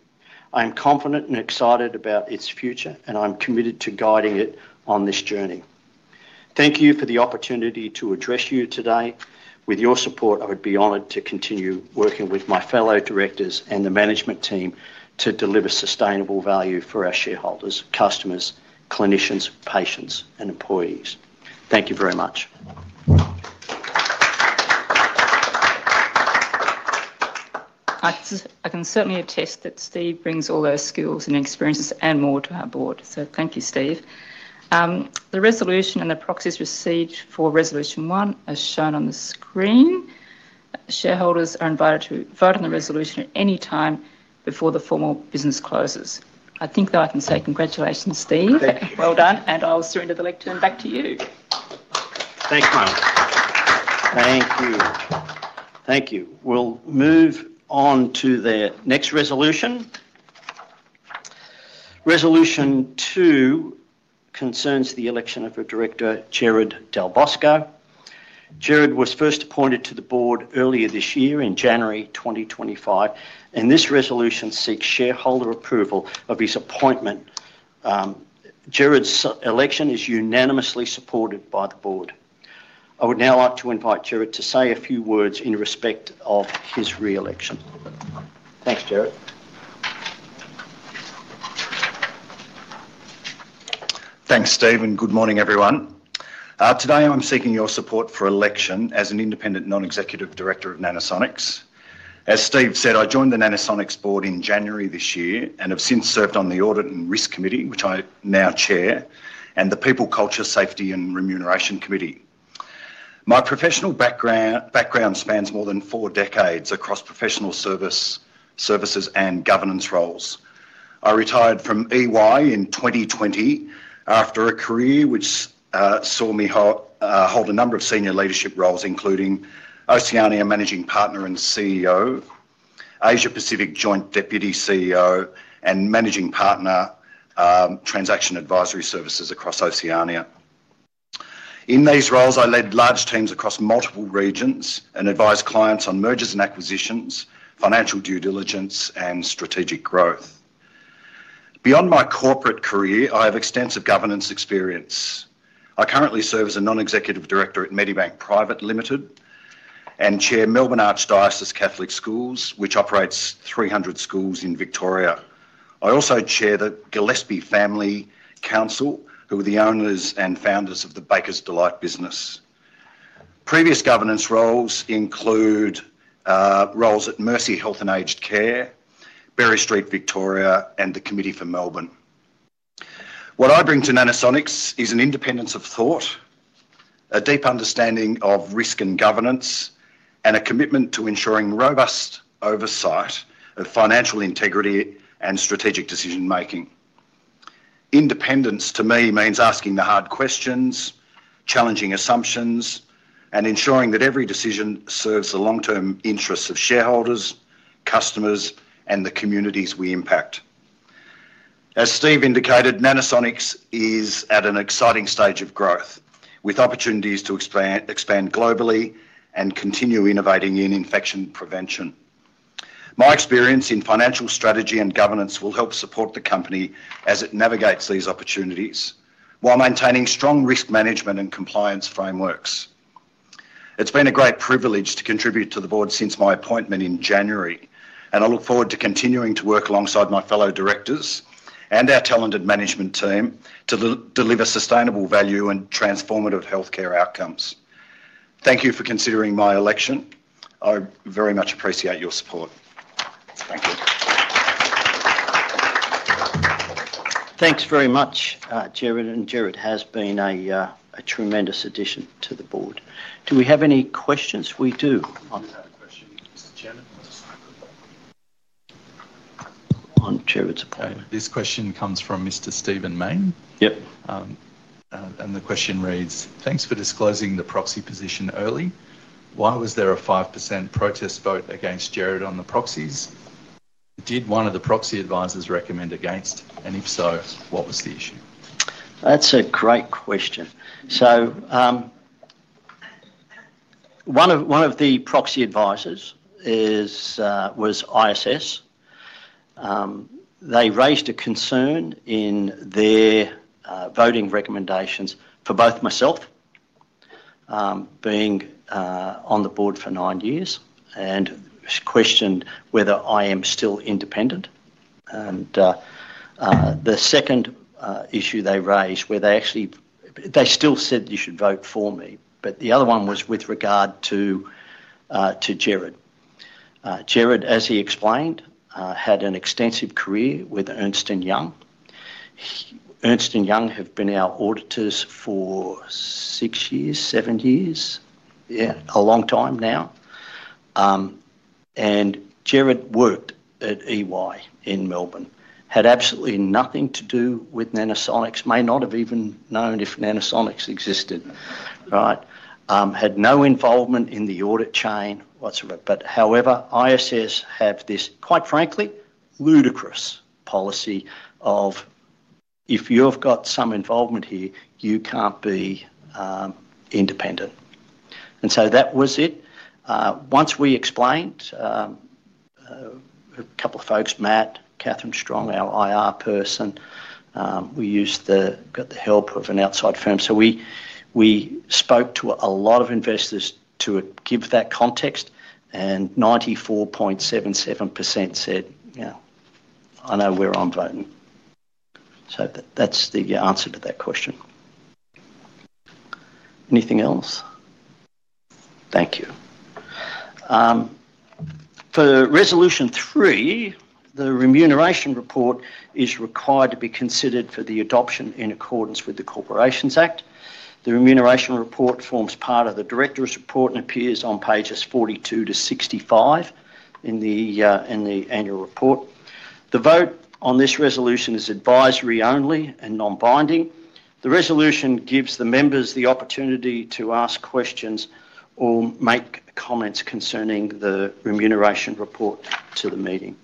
I am confident and excited about its future, and I'm committed to guiding it on this journey. Thank you for the opportunity to address you today. With your support, I would be honored to continue working with my fellow directors and the management team to deliver sustainable value for our shareholders, customers, clinicians, patients, and employees. Thank you very much. I can certainly attest that Steve brings all those skills and experiences and more to our Board. So thank you, Steve. The resolution and the proxies received for Resolution 1 are shown on the screen. Shareholders are invited to vote on the resolution at any time before the formal business closes. I think that I can say congratulations, Steve. Well done, and I'll surrender the lectern back to you. Thanks, Marie. Thank you. Thank you. We'll move on to the next resolution. Resolution 2 concerns the election of a Director, Gerard Dalbosco. Gerard was first appointed to the board earlier this year in January 2025, and this resolution seeks shareholder approval of his appointment. Gerard's election is unanimously supported by the Board. I would now like to invite Gerard to say a few words in respect of his reelection. Thanks, Gerard. Thanks, Steve. And good morning, everyone. Today, I'm seeking your support for election as an independent non-executive director of Nanosonics. As Steve said, I joined the Nanosonics Board in January this year and have since served on the audit and risk committee, which I now chair, and the people, culture, safety, and remuneration committee. My professional background spans more than four decades across professional services and governance roles. I retired from EY in 2020 after a career which saw me hold a number of senior leadership roles, including Oceania managing partner and CEO, Asia-Pacific joint deputy CEO, and Managing Partner, transaction advisory services across Oceania. In these roles, I led large teams across multiple regions and advised clients on mergers and acquisitions, financial due diligence, and strategic growth. Beyond my corporate career, I have extensive governance experience. I currently serve as a Non-Executive Director at Medibank Private Limited and Chair Melbourne Archdiocese Catholic Schools, which operates 300 schools in Victoria. I also chair the Gillespie Family Council, who are the owners and founders of the Baker's Delight business. Previous governance roles include roles at Mercy Health and Aged Care, Berry Street, Victoria, and the Committee for Melbourne. What I bring to Nanosonics is an Independence of Thought, a deep understanding of risk and governance, and a commitment to ensuring robust oversight of financial integrity and strategic decision-making. Independence, to me, means asking the hard questions, challenging assumptions, and ensuring that every decision serves the long-term interests of shareholders, customers, and the communities we impact. As Steve indicated, Nanosonics is at an exciting stage of growth, with opportunities to expand globally and continue innovating in infection prevention. My experience in financial strategy and governance will help support the company as it navigates these opportunities while maintaining strong risk management and compliance frameworks. It's been a great privilege to contribute to the Board since my appointment in January, and I look forward to continuing to work alongside my fellow directors and our talented management team to deliver sustainable value and transformative healthcare outcomes. Thank you for considering my election. I very much appreciate your support. Thank you. Thanks very much, Gerard. Gerard has been a tremendous addition to the Board. Do we have any questions? We do. I don't have a question. Mr. Chairman, what's the cycle? On Gerard's appointment. This question comes from Mr. Stephen Main. Yep. And the question reads, "Thanks for disclosing the proxy position early. Why was there a 5% protest vote against Gerard on the proxies? Did one of the proxy advisors recommend against? And if so, what was the issue?" That's a great question. So, one of the proxy advisors was ISS. They raised a concern in their voting recommendations for both myself being on the Board for nine years, and questioned whether I am still independent. And the second issue they raised, where they actually still said you should vote for me, but the other one was with regard to Gerard. Gerard, as he explained, had an extensive career with Ernst & Young. Ernst & Young have been our auditors for six years, seven years. Yeah, a long time now. And Gerard worked at EY in Melbourne, had absolutely nothing to do with Nanosonics, may not have even known if Nanosonics existed, right? Had no involvement in the audit chain, whatsoever. But however, ISS have this, quite frankly, ludicrous policy of "If you've got some involvement here, you can't be independent." And so that was it. Once we explained, a couple of folks, Matt, Catherine Strong, our IR person, we got the help of an outside firm. So we spoke to a lot of investors to give that context, and 94.77% said, "Yeah, I know where I'm voting." So that's the answer to that question. Anything else? Thank you. For Resolution 3, the remuneration report is required to be considered for the adoption in accordance with the Corporations Act. The Remuneration Report forms part of the director's report and appears on pages 42-65 in the annual report. The vote on this resolution is advisory only and non-binding. The resolution gives the members the opportunity to ask questions or make comments concerning the Remuneration Report to the meeting.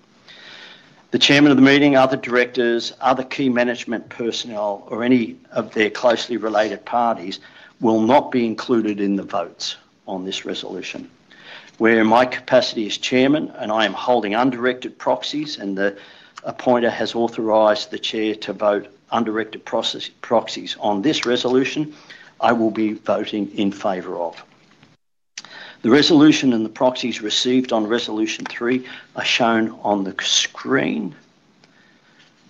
The chairman of the meeting, other directors, other key management personnel, or any of their closely related parties will not be included in the votes on this resolution. Where in my capacity as Chairman, and I am holding undirected proxies and the appointer has authorized the Chair to vote undirected proxies on this resolution, I will be voting in favor of the resolution and the proxies received on Resolution 3 are shown on the screen.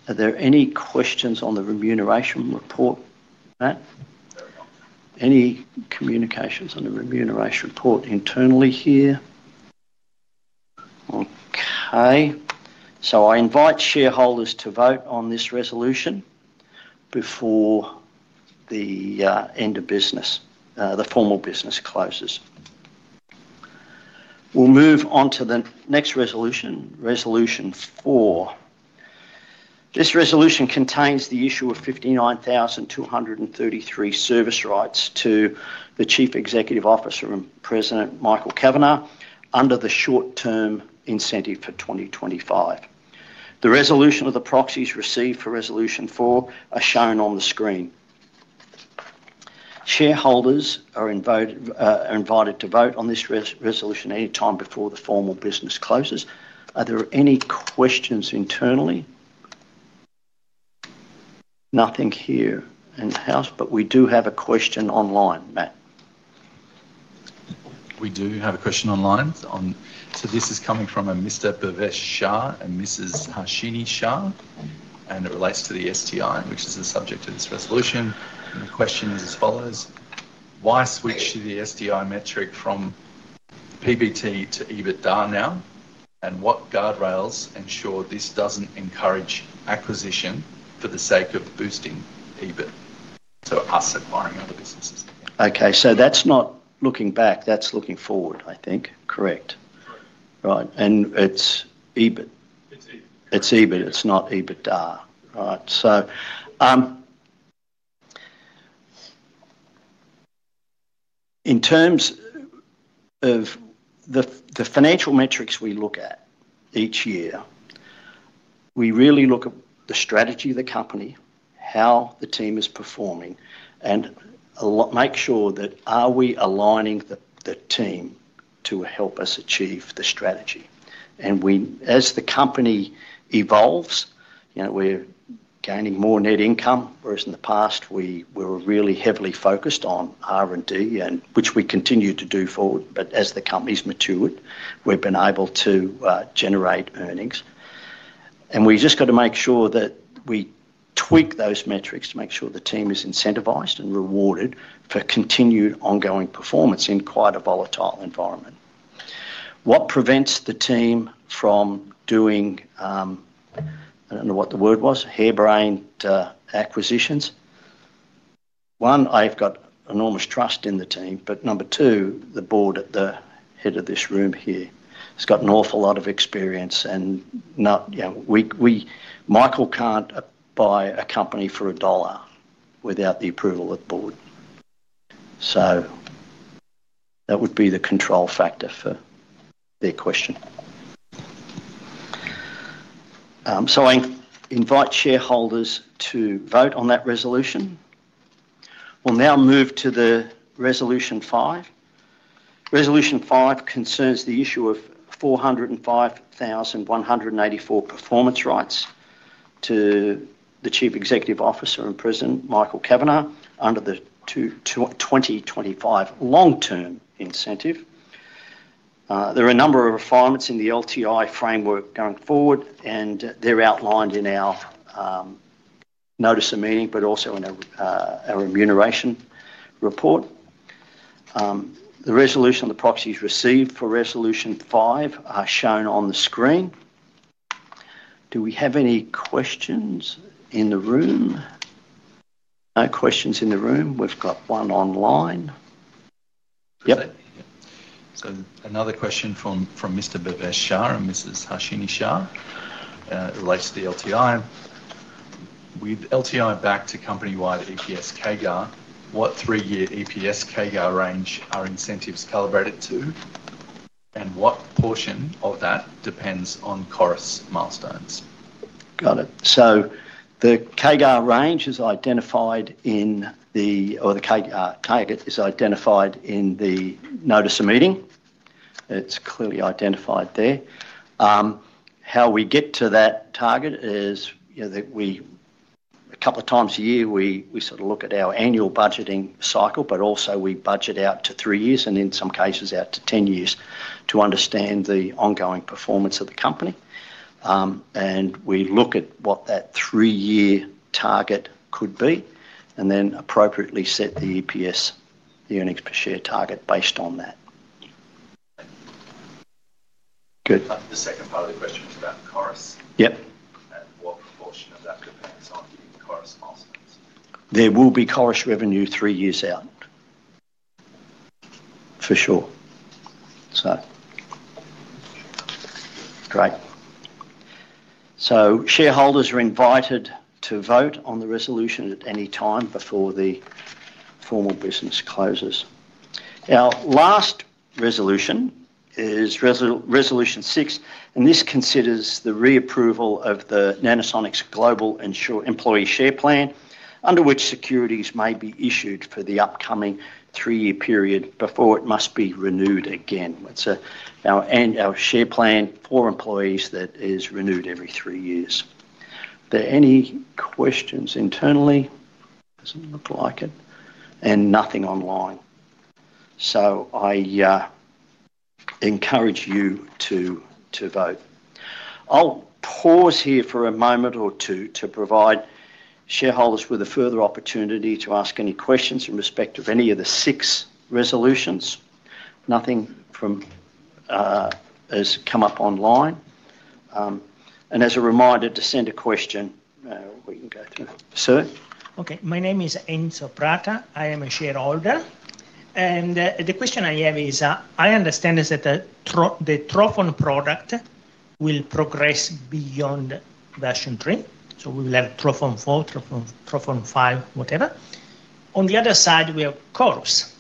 Are there any questions on the remuneration report, Matt? Any communications on the Remuneration Report internally here? Okay. So I invite shareholders to vote on this resolution. Before the end of business, the formal business closes. We'll move on to the next resolution, Resolution 4. This resolution contains the issue of 59,233 service rights to the Chief Executive Officer and President, Michael Kavanagh, under the short-term incentive for 2025. The resolution of the proxies received for resolution four are shown on the screen. Shareholders are invited to vote on this resolution anytime before the formal business closes. Are there any questions internally? Nothing here in the house, but we do have a question online, Matt. We do have a question online. So this is coming from a Mr. Bhavesh Shah and Mrs. Harshini Shah, and it relates to the STI, which is the subject of this resolution. And the question is as follows. Why switch to the STI metric from PBT to EBITDA now? And what guardrails ensure this doesn't encourage acquisition for the sake of boosting EBIT? So us acquiring other businesses. Okay. So that's not looking back. That's looking forward, I think. Correct. Right. And it's EBIT. It's EBIT. It's not EBITDA, right? So. In terms of the financial metrics we look at each year, we really look at the strategy of the company, how the team is performing, and make sure that are we aligning the team to help us achieve the strategy. And as the company evolves, we're gaining more net income, whereas in the past, we were really heavily focused on R&D, which we continue to do forward. But as the company's matured, we've been able to generate earnings. And we just got to make sure that we tweak those metrics to make sure the team is incentivized and rewarded for continued ongoing performance in quite a volatile environment. What prevents the team from doing. I don't know what the word was, harebrained acquisitions? One, I've got enormous trust in the team. But number two, the Board at the head of this room here has got an awful lot of experience. And Michael can't buy a company for a dollar without the approval of the Board. So. That would be the control factor for. Their question. So I invite shareholders to vote on that resolution. We'll now move to Resolution 5. Resolution 5 concerns the issue of 405,184 performance rights to the Chief Executive Officer and President, Michael Kavanagh, under the 2025 long-term incentive. There are a number of refinements in the LTI framework going forward, and they're outlined in our notice of meeting, but also in our Remuneration Report. The resolution of the proxies received for Resolution 5 are shown on the screen. Do we have any questions in the room? No questions in the room. We've got one online. Yep. So another question from Mr. Bhavesh Shah and Mrs. Harshini Shah. It relates to the LTI. With LTI back to company-wide EPS CAGR, what three-year EPS CAGR range are incentives calibrated to? And what portion of that depends on CORIS milestones? Got it. So the CAGR range is identified in the. Or the CAGR is identified in the notice of meeting. It's clearly identified there. How we get to that target is that. A couple of times a year, we sort of look at our annual budgeting cycle, but also we budget out to three years and in some cases out to 10 years to understand the ongoing performance of the company. And we look at what that three-year target could be and then appropriately set the EPS, the earnings per share target based on that. Good. The second part of the question is about CORIS. Yep. And what proportion of that depends on the CORIS milestones? There will be CORIS revenue three years out. For sure. So. Great. So shareholders are invited to vote on the resolution at any time before the formal business closes. Our last resolution is Resolution 6, and this considers the reapproval of the Nanosonics Global Employee Share Plan, under which securities may be issued for the upcoming three-year period before it must be renewed again. And our share plan for employees that is renewed every three years. Are there any questions internally? Doesn't look like it. And nothing online. So I encourage you to vote. I'll pause here for a moment or two to provide shareholders with a further opportunity to ask any questions in respect of any of the six resolutions. Nothing from has come up online. And as a reminder to send a question, we can go through. Sir? Okay. My name is Enzo Prata. I am a shareholder. And the question I have is, I understand is that the trophon product will progress beyond version three. So we will have trophon4, trophon5, whatever. On the other side, we have CORIS.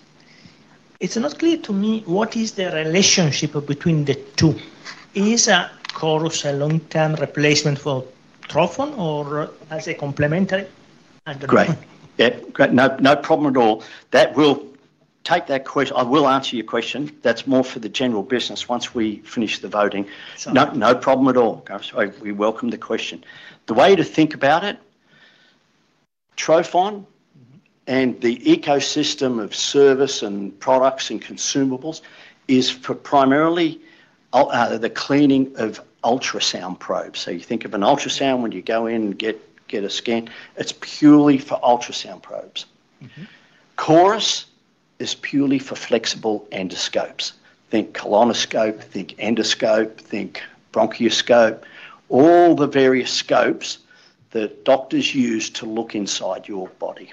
It's not clear to me what is the relationship between the two. Is CORIS a long-term replacement for trophon or as a complementary? Great. No problem at all. I will answer your question. That's more for the general business once we finish the voting. No problem at all. So we welcome the question. The way to think about it. trophon and the ecosystem of service and products and consumables is for primarily the cleaning of ultrasound probes. So you think of an ultrasound when you go in and get a scan. It's purely for ultrasound probes. CORIS is purely for flexible endoscopes. Think colonoscope, think endoscope, think bronchoscope. All the various scopes that doctors use to look inside your body.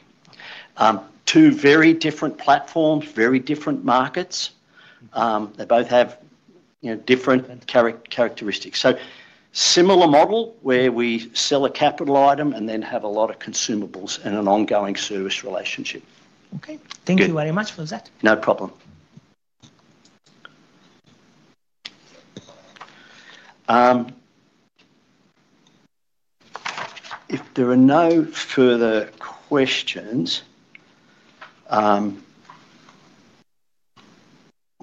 Two very different platforms, very different markets. They both have different characteristics. So similar model where we sell a capital item and then have a lot of consumables and an ongoing service relationship. Okay. Thank you very much for that. No problem. If there are no further questions,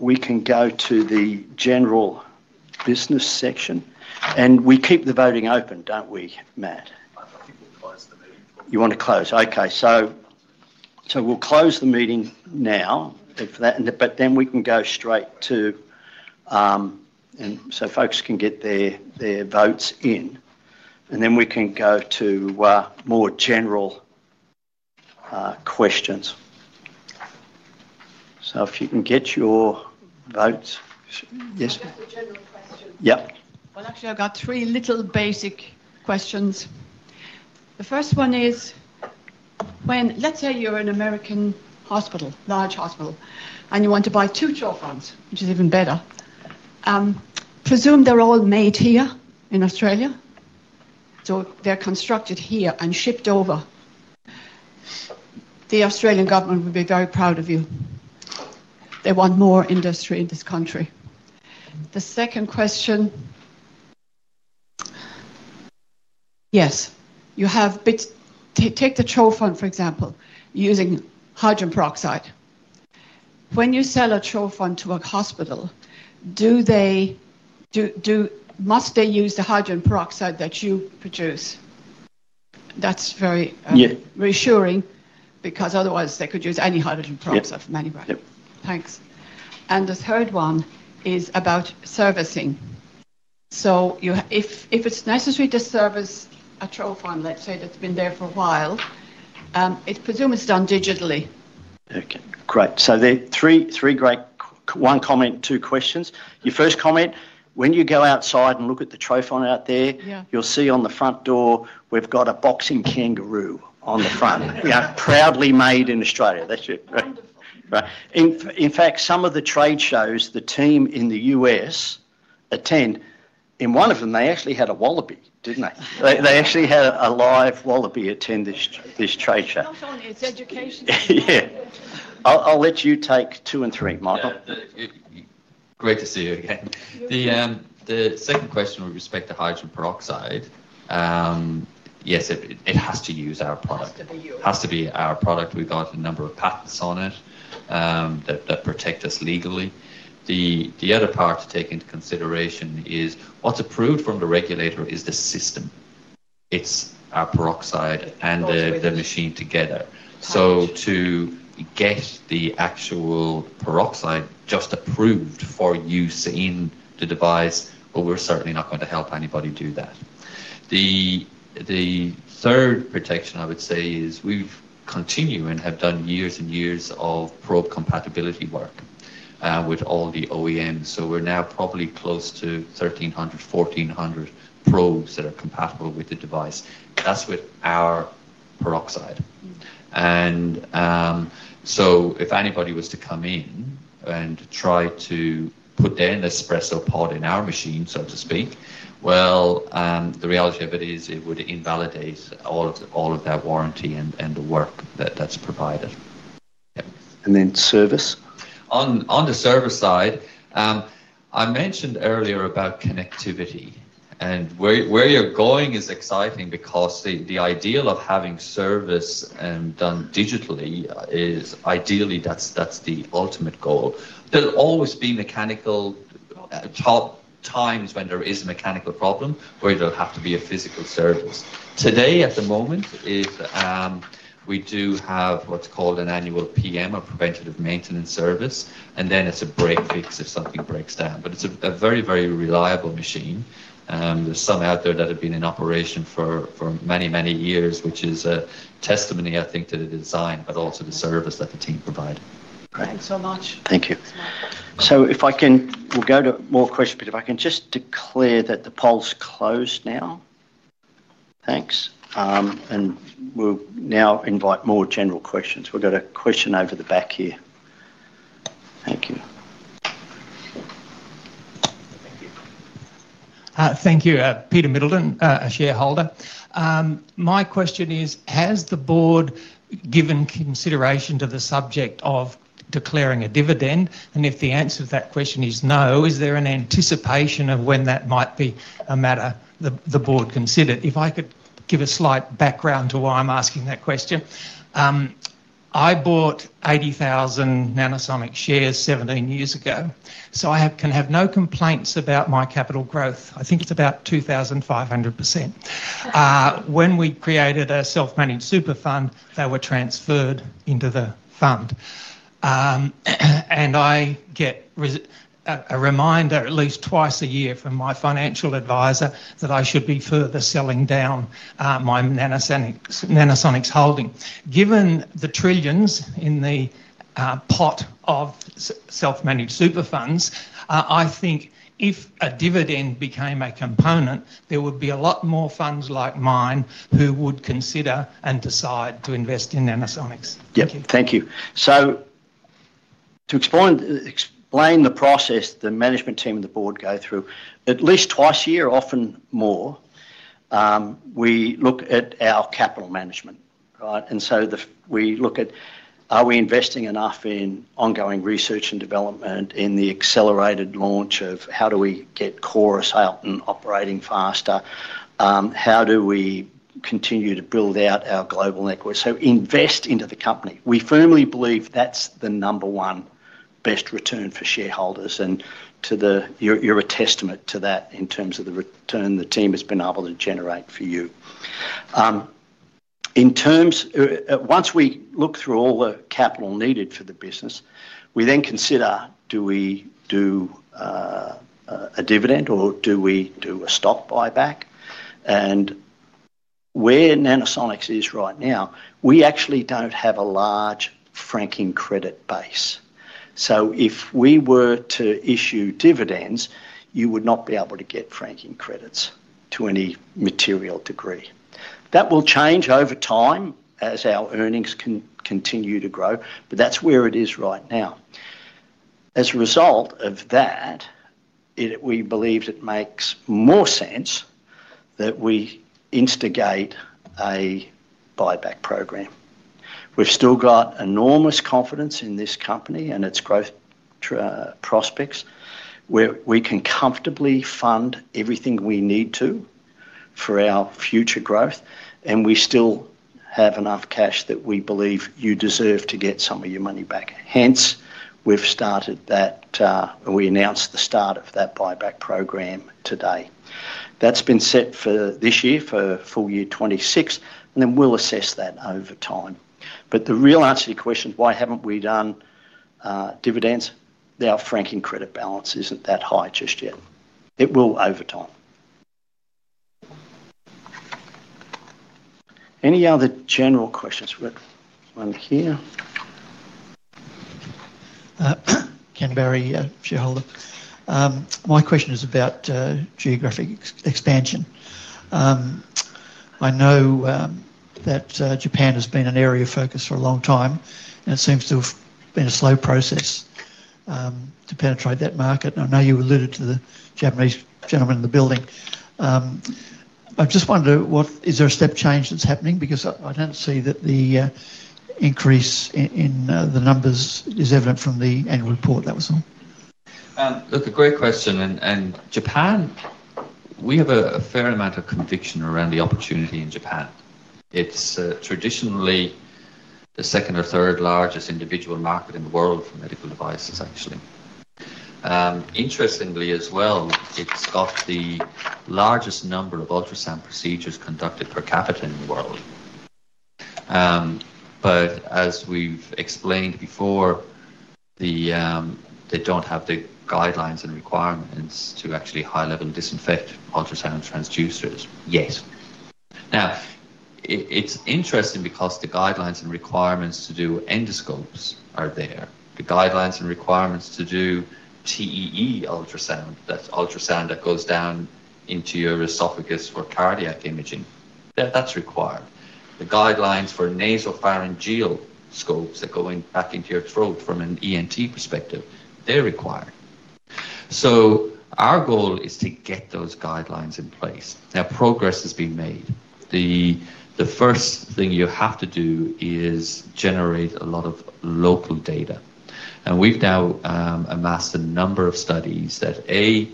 we can go to the General Business section. And we keep the voting open, don't we, Matt? I think we'll close the meeting for. You want to close? Okay. So we'll close the meeting now. But then we can go straight to. And so folks can get their votes in. And then we can go to more general questions. So if you can get your votes. Yes? Just a general question. Yep. Well, actually, I've got three little basic questions. The first one is when let's say you're an American hospital, large hospital, and you want to buy two trophons, which is even better. Presume they're all made here in Australia. So they're constructed here and shipped over. The Australian government would be very proud of you. They want more industry in this country. The second question. Yes. You have. Take the trophon, for example, using Hydrogen Peroxide. When you sell a trophon to a hospital, do they must use the Hydrogen Peroxide that you produce? That's very reassuring because otherwise they could use any Hydrogen Peroxide for many. Yep. Thanks. And the third one is about servicing. So if it's necessary to service a trophon, let's say that's been there for a while, it's presumably done digitally. Okay. Great. So three great one comment, two questions. Your first comment, when you go outside and look at the trophon out there, you'll see on the front door, we've got a boxing kangaroo on the front. Proudly made in Australia. That's it. Wonderful. Right. In fact, some of the trade shows the team in the U.S. attend. In one of them, they actually had a wallaby, didn't they? They actually had a live wallaby attend this trade show. It's education. Yeah. I'll let you take two and three, Michael. Great to see you again. The second question with respect to Hydrogen Peroxide. Yes, it has to use our product. It has to be our product. We've got a number of patents on it that protect us legally. The other part to take into consideration is what's approved from the regulator is the system. It's our peroxide and the machine together. So to get the actual peroxide just approved for use in the device, well, we're certainly not going to help anybody do that. The third protection I would say is we continue and have done years and years of probe compatibility work with all the OEMs. So we're now probably close to 1,300, 1,400 probes that are compatible with the device. That's with our peroxide. And so if anybody was to come in and try to put their Nespresso pod in our machine, so to speak, well, the reality of it is it would invalidate all of that warranty and the work that's provided. And then service? On the service side, I mentioned earlier about connectivity. And where you're going is exciting because the ideal of having service done digitally is ideally that's the ultimate goal. There'll always be mechanical times when there is a mechanical problem where it'll have to be a physical service. Today, at the moment, we do have what's called an Annual PM, a preventative maintenance service, and then it's a break fix if something breaks down. But it's a very, very reliable machine. There's some out there that have been in operation for many, many years, which is a testimony, I think, to the design, but also the service that the team provided. Thanks so much. Thank you. So if I can, we'll go to more questions, but if I can just declare that the polls closed now. Thanks. And we'll now invite more general questions. We've got a question over the back here. Thank you. Thank you. Thank you. Peter Middleton, a shareholder. My question is, has the board given consideration to the subject of declaring a dividend? And if the answer to that question is no, is there an anticipation of when that might be a matter the Board considered? If I could give a slight background to why I'm asking that question. I bought 80,000 Nanosonics shares 17 years ago, so I can have no complaints about my capital growth. I think it's about 2,500%. When we created a self-managed super fund, they were transferred into the fund. And I get a reminder at least twice a year from my financial advisor that I should be further selling down my Nanosonics holding. Given the trillions in the pot of self-managed super funds, I think if a dividend became a component, there would be a lot more funds like mine who would consider and decide to invest in Nanosonics. Yep. Thank you So to explain the process the Management team and the Board go through, at least twice a year, often more, we look at our capital management, right? And so we look at, are we investing enough in ongoing research and development in the accelerated launch of how do we get CORIS out and operating faster? How do we continue to build out our global network? So invest into the company. We firmly believe that's the number one best return for shareholders. And you're a testament to that in terms of the return the team has been able to generate for you. Once we look through all the capital needed for the business, we then consider, do we do a dividend or do we do a stock buyback? And where Nanosonics is right now, we actually don't have a large franking credit base. So if we were to issue dividends, you would not be able to get franking credits to any material degree. That will change over time as our earnings continue to grow, but that's where it is right now. As a result of that, we believe it makes more sense that we instigate a buyback program. We've still got enormous confidence in this company and its growth prospects. We can comfortably fund everything we need to for our future growth, and we still have enough cash that we believe you deserve to get some of your money back. Hence, we've started that. We announced the start of that buyback program today. That's been set for this year, for full year 2026, and then we'll assess that over time. But the real answer to your question, why haven't we done dividends? Our franking credit balance isn't that high just yet. It will over time. Any other general questions? We've got one here. Ken Barry, shareholder. My question is about geographic expansion. I know that Japan has been an area of focus for a long time, and it seems to have been a slow process to penetrate that market. And I know you alluded to the Japanese gentleman in the building. I just wondered, is there a step change that's happening? Because I don't see that the increase in the numbers is evident from the Annual Report. That was all. Look, a great question. And Japan, we have a fair amount of conviction around the opportunity in Japan. It's traditionally the second or third largest individual market in the world for medical devices, actually. Interestingly as well, it's got the largest number of ultrasound procedures conducted per capita in the world. But as we've explained before, they don't have the guidelines and requirements to actually high-level disinfect ultrasound transducers yet. Now it's interesting because the guidelines and requirements to do endoscopes are there. The guidelines and requirements to do TEE ultrasound, that's ultrasound that goes down into your esophagus for cardiac imaging, that's required. The guidelines for nasopharyngeal scopes that go back into your throat from an ENT perspective, they're required. So our goal is to get those guidelines in place. Now, progress has been made. The first thing you have to do is generate a lot of local data. And we've now amassed a number of studies that, A,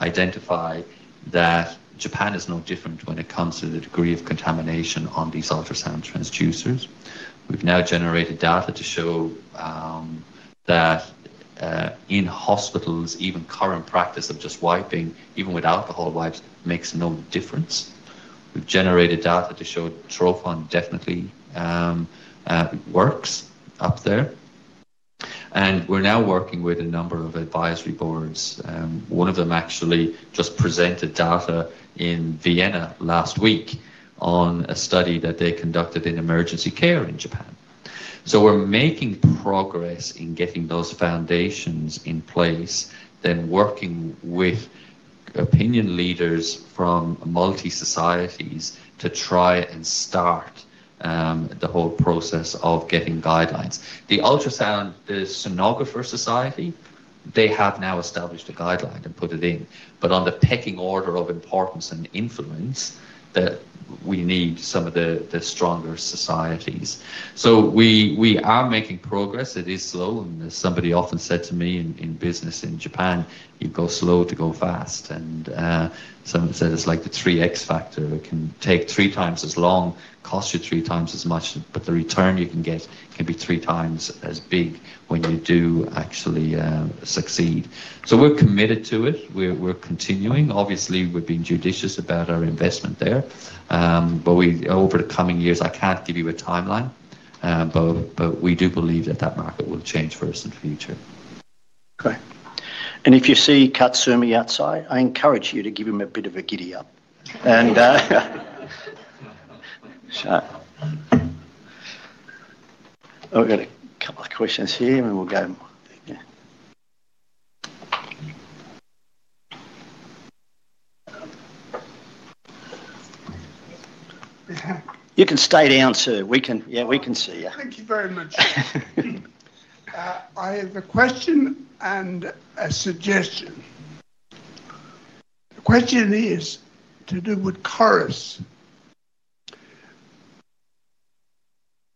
identify that Japan is no different when it comes to the degree of contamination on these ultrasound transducers. We've now generated data to show that in hospitals, even current practice of just wiping, even with alcohol wipes, makes no difference. We've generated data to show trophon definitely works up there. And we're now working with a number of advisory boards. One of them actually just presented data in Vienna last week on a study that they conducted in emergency care in Japan. So we're making progress in getting those foundations in place, then working with opinion leaders from multi-societies to try and start the whole process of getting guidelines. The ultrasound sonographer society, they have now established a guideline and put it in. But on the pecking order of importance and influence, we need some of the stronger societies. So we are making progress. It is slow. And somebody often said to me in business in Japan, you go slow to go fast. And someone said it's like the 3x factor. It can take 3x as long, cost you 3x as much, but the return you can get can be 3x as big when you do actually succeed. So we're committed to it. We're continuing. Obviously, we've been judicious about our investment there. But over the coming years, I can't give you a timeline, but we do believe that that market will change for us in the future. Okay. And if you see Katsumi outside, I encourage you to give him a bit of a giddy up. And sharp. Oh, we've got a couple of questions here, and we'll go. You can stay down, sir. Yeah, we can see you. Thank you very much. I have a question and a suggestion. The question is to do with CORIS.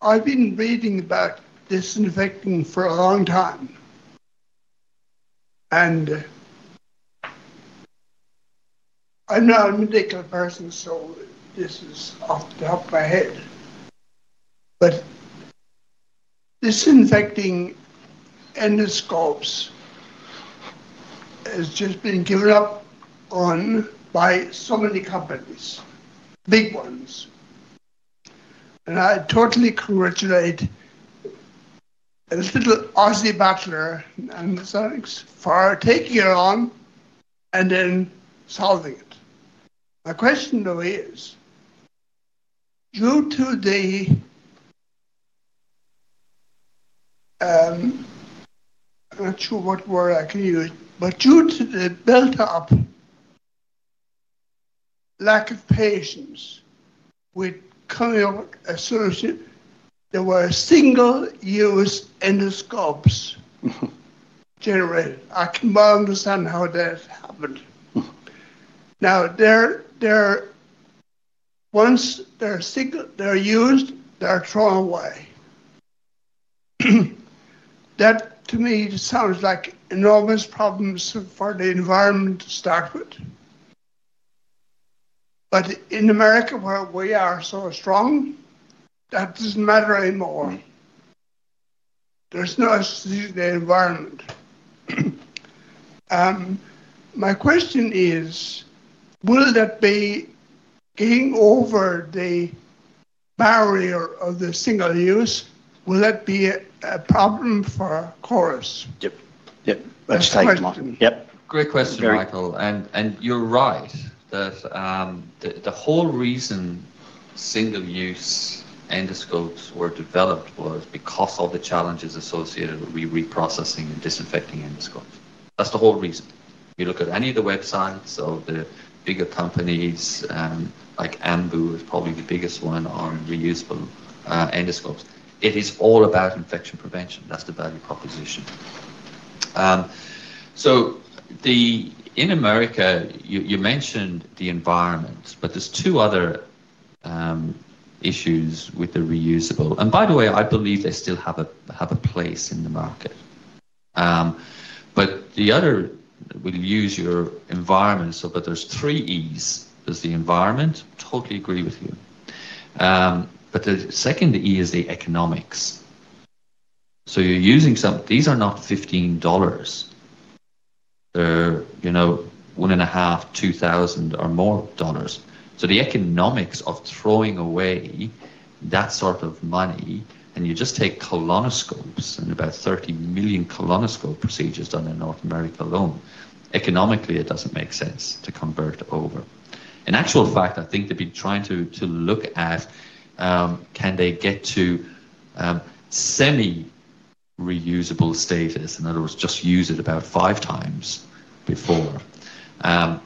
I've been reading about disinfecting for a long time. And I'm not a medical person, so this is off the top of my head. But disinfecting endoscopes has just been given up on by so many companies, big ones. And I totally congratulate little Aussie battler for taking it on. And then solving it. My question, though, is due to the—I'm not sure what word I can use—but due to the built-up lack of patience with coming up with a solution, there were single-use endoscopes generated. I can well understand how that happened. Now once they're used, they're thrown away. That, to me, sounds like enormous problems for the environment to start with. But in America, where we are so strong, that doesn't matter anymore. There's no exclusion of the environment. My question is, will that be getting over the barrier of the single-use? Will that be a problem for CORIS? Yep. Yep. Let's take one. Yep. Great question, Michael. And you're right. The whole reason single-use endoscopes were developed was because of the challenges associated with reprocessing and disinfecting endoscopes. That's the whole reason. If you look at any of the websites of the bigger companies, like Ambu is probably the biggest one on reusable endoscopes, it is all about infection prevention. That's the value proposition. So in America, you mentioned the environment, but there's two other issues with the reusable. And by the way, I believe they still have a place in the market. But the other, we'll use your environment, but there's three Es. There's the environment. Totally agree with you. But the second E is the economics. So you're using some—these are not $15. They're $1.5, $2,000 or more dollars. So the economics of throwing away that sort of money, and you just take colonoscopes and about 30 million colonoscope procedures done in North America alone, economically, it doesn't make sense to convert over. In actual fact, I think they've been trying to look at can they get to semi-reusable status? In other words, just use it about five times before.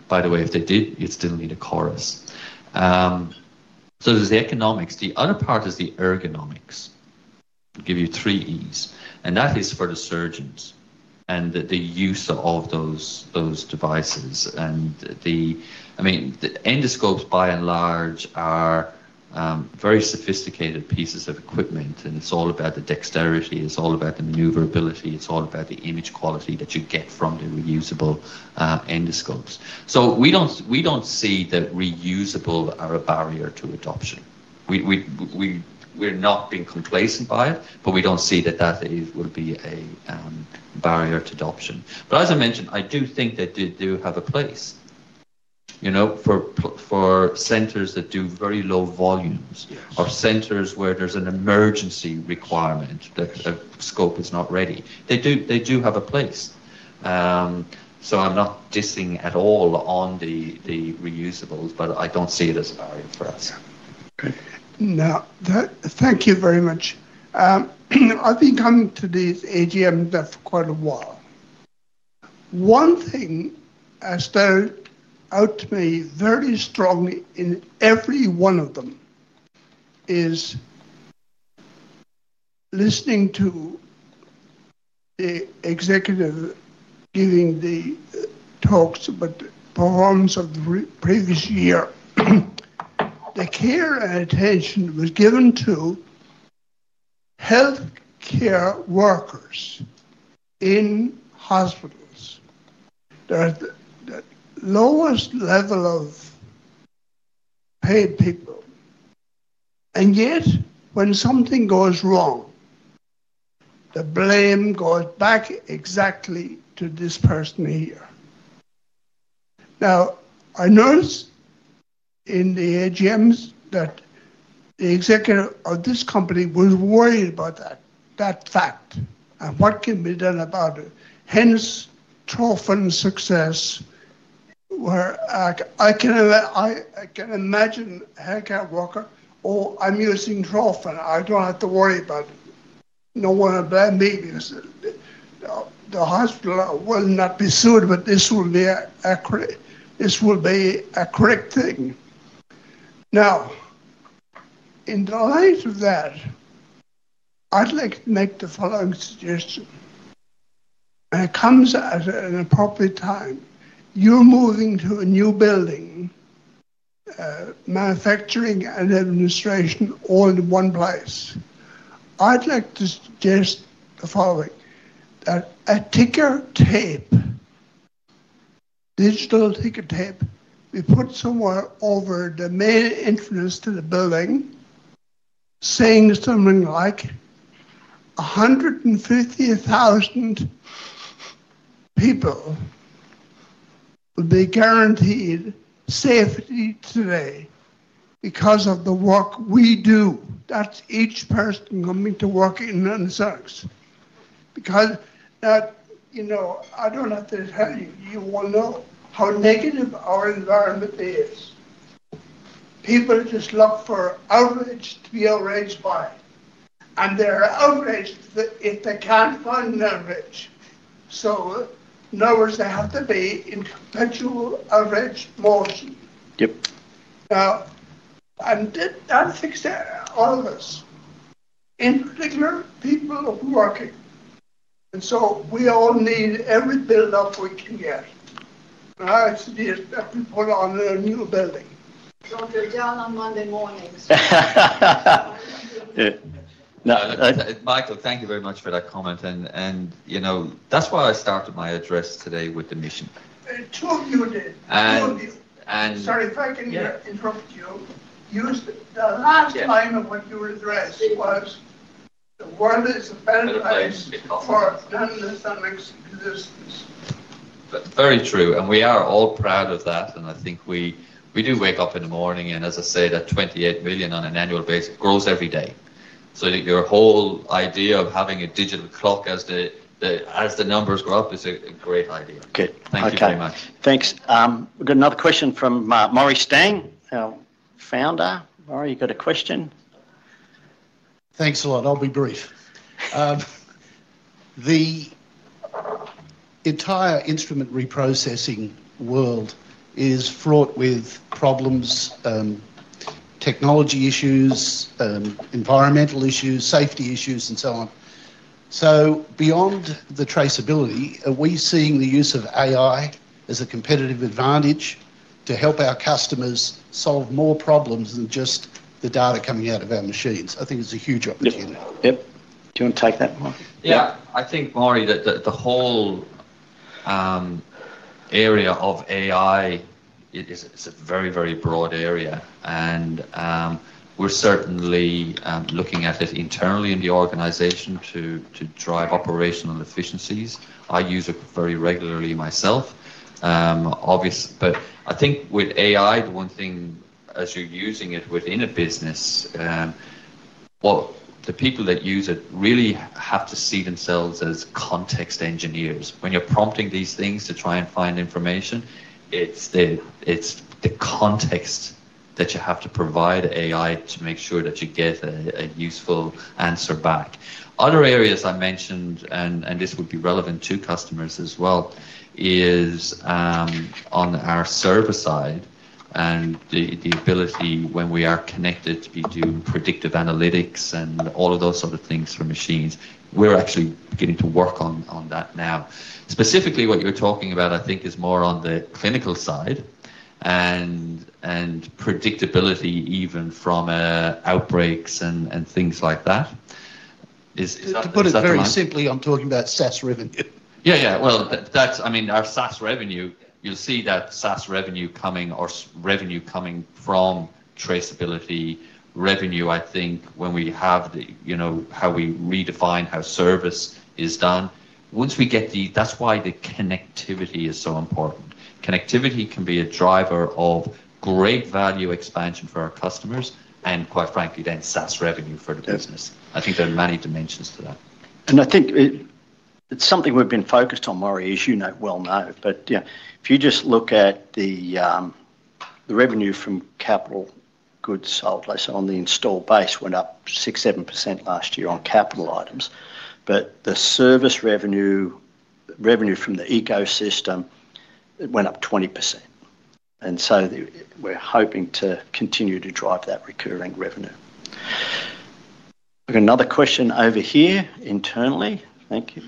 By the way, if they did, it still needed CORIS. So there's the economics. The other part is the ergonomics. I'll give you three Es. And that is for the surgeons and the use of those devices. And I mean, the endoscopes, by and large, are very sophisticated pieces of equipment, and it's all about the dexterity. It's all about the maneuverability. It's all about the image quality that you get from the reusable endoscopes. So we don't see that reusable as a barrier to adoption. We're not being complacent by it, but we don't see that that would be a barrier to adoption. But as I mentioned, I do think they do have a place for centers that do very low volumes or centers where there's an emergency requirement, that a scope is not ready. They do have a place. So I'm not dissing at all on the reusables, but I don't see it as a barrier for us. Okay. Now, thank you very much. I've been coming to these AGMs for quite a while. One thing has stood out to me very strongly in every one of them is listening to the executive giving the talks about the performance of the previous year, the care and attention that was given to healthcare workers in hospitals, the lowest level of paid people. And yet, when something goes wrong, the blame goes back exactly to this person here. Now, I noticed in the AGMs that the Executive of this Company was worried about that fact and what can be done about it? Hence, trophon success. Where I can imagine a healthcare worker, "Oh, I'm using trophon. I don't have to worry about it. No one will blame me. The hospital will not be sued, but this will be a correct thing." Now, in the light of that, I'd like to make the following suggestion. And it comes at an appropriate time. You're moving to a new building, manufacturing and administration all in one place. I'd like to suggest the following. That a ticker tape, digital ticker tape, be put somewhere over the main entrance to the building, saying something like, "150,000 people will be guaranteed safety today because of the work we do." That's each person coming to work in another service. Because I don't have to tell you, you will know how negative our environment is. People just look for a reason to be outraged by. And they're outraged if they can't find a reason. So, in other words, they have to be in perpetual outrage motion. Now, I'm facing all of this in particular, people who are working. And so we all need every build-up we can get. Now, it's the best we put on in a new building. Don't go down on Monday mornings. No, Michael, thank you very much for that comment. And that's why I started my address today with the mission. Two of you did. Two of you. Sorry if I can interrupt you. The last line of what you addressed was, "The world is a better place for non-ethnic existence." Very true. And we are all proud of that. And I think we do wake up in the morning. And as I said, at $28 million on an annual basis, it grows every day. So your whole idea of having a digital clock as. The numbers grow up is a great idea. Thank you very much. Okay. Thanks. We've got another question from Maurie Stang, founder. 'Maurie, you've got a question? Thanks a lot. I'll be brief. The entire instrument reprocessing world is fraught with problems. Technology issues. Environmental issues, safety issues, and so on. So beyond the traceability, are we seeing the use of AI as a competitive advantage to help our customers solve more problems than just the data coming out of our machines? I think it's a huge opportunity. Yep. Do you want to take that, Michael? Yeah. I think, Maurie, that the whole area of AI is a very, very broad area. And we're certainly looking at it internally in the organization to drive operational efficiencies. I use it very regularly myself. But I think with AI, the one thing, as you're using it within a business. The people that use it really have to see themselves as context engineers. When you're prompting these things to try and find information, it's the context that you have to provide AI to make sure that you get a useful answer back. Other areas I mentioned, and this would be relevant to customers as well, is on our server side and the ability, when we are connected, to do predictive analytics and all of those sort of things for machines. We're actually beginning to work on that now. Specifically, what you're talking about, I think, is more on the clinical side. And predictability, even from outbreaks and things like that. To put it very simply, I'm talking about SaaS revenue. Yeah, yeah. Well, I mean, our SaaS revenue, you'll see that SaaS revenue coming or revenue coming from. Traceability, revenue, I think, when we have. How we redefine how service is done. Once we get the. That's why the connectivity is so important. Connectivity can be a driver of great value expansion for our customers and, quite frankly, then SaaS revenue for the business. I think there are many dimensions to that. And I think. It's something we've been focused on, Maurie is, as you well know. But if you just look at the revenue from capital goods sold, I saw on the installed base went up 6%, 7% last year on capital items. But the service revenue, revenue from the ecosystem, went up 20%. And so we're hoping to continue to drive that recurring revenue. Another question over here internally. Thank you.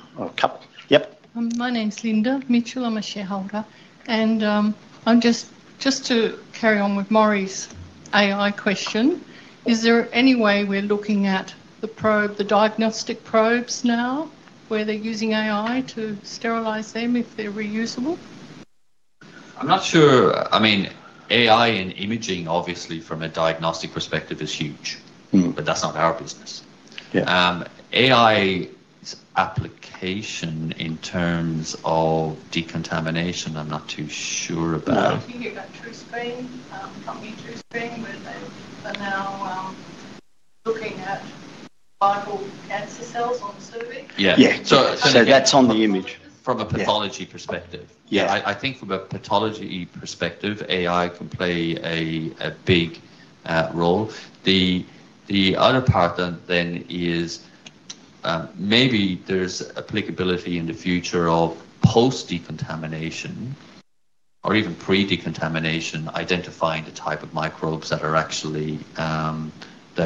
Yep. My name's Linda. Me too I'm a shareholder. And just to carry on with Maurie's AI question, is there any way we're looking at the diagnostic probes now where they're using AI to sterilize them if they're reusable? I'm not sure. I mean, AI and imaging, obviously, from a diagnostic perspective, is huge. But that's not our business. AI application in terms of decontamination, I'm not too sure about. No, I'm thinking about TruScreen, company TruScreen, where they are now looking at vital cancer cells on the cervix. Yeah. So that's on the image. From a pathology perspective. Yeah. I think from a pathology perspective, AI can play a big role. The other part then is maybe there's applicability in the future of post-decontamination or even pre-decontamination, identifying the type of microbes that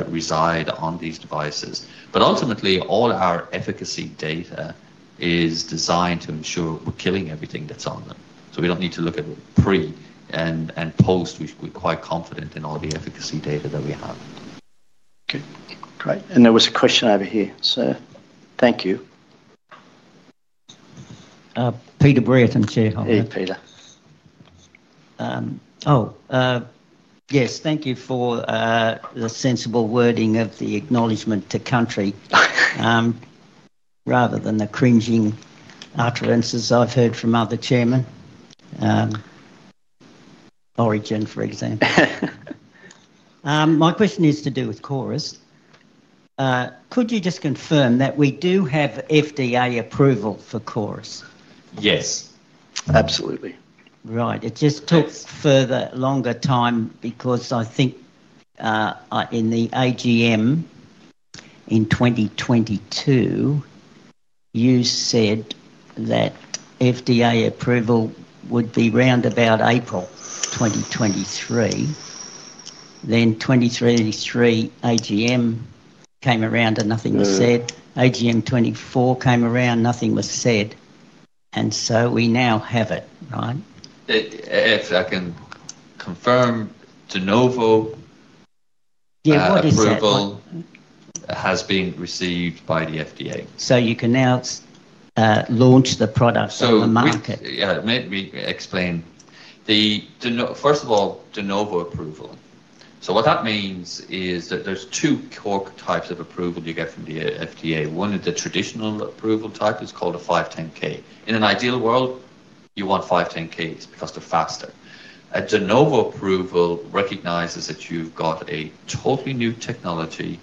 reside on these devices. But ultimately, all our efficacy data is designed to ensure we're killing everything that's on them. So we don't need to look at pre and post. We're quite confident in all the efficacy data that we have. Okay. Great. And there was a question over here. So thank you. Peter Bretton, shareholder. Hey, Peter. Oh. Yes. Thank you for the sensible wording of the acknowledgment to country rather than the cringing utterances I've heard from other chairmen. Boris Johnson, for example. My question has to do with CORIS. Could you just confirm that we do have FDA approval for CORIS? Yes. Absolutely. Right. It just took a further longer time because I think in the AGM in 2022 you said that FDA approval would be around about April 2023. Then 2023 AGM came around and nothing was said. AGM 2024 came around, nothing was said. And so we now have it, right? If I can confirm, de novo approval has been received by the FDA. So you can now launch the product on the market. Yeah. Let me explain. First of all, de novo approval. So what that means is that there's two types of approval you get from the FDA. One is the traditional approval type. It's called a 510(k). In an ideal world, you want 510(k)s because they're faster. A de novo approval recognizes that you've got a totally new technology,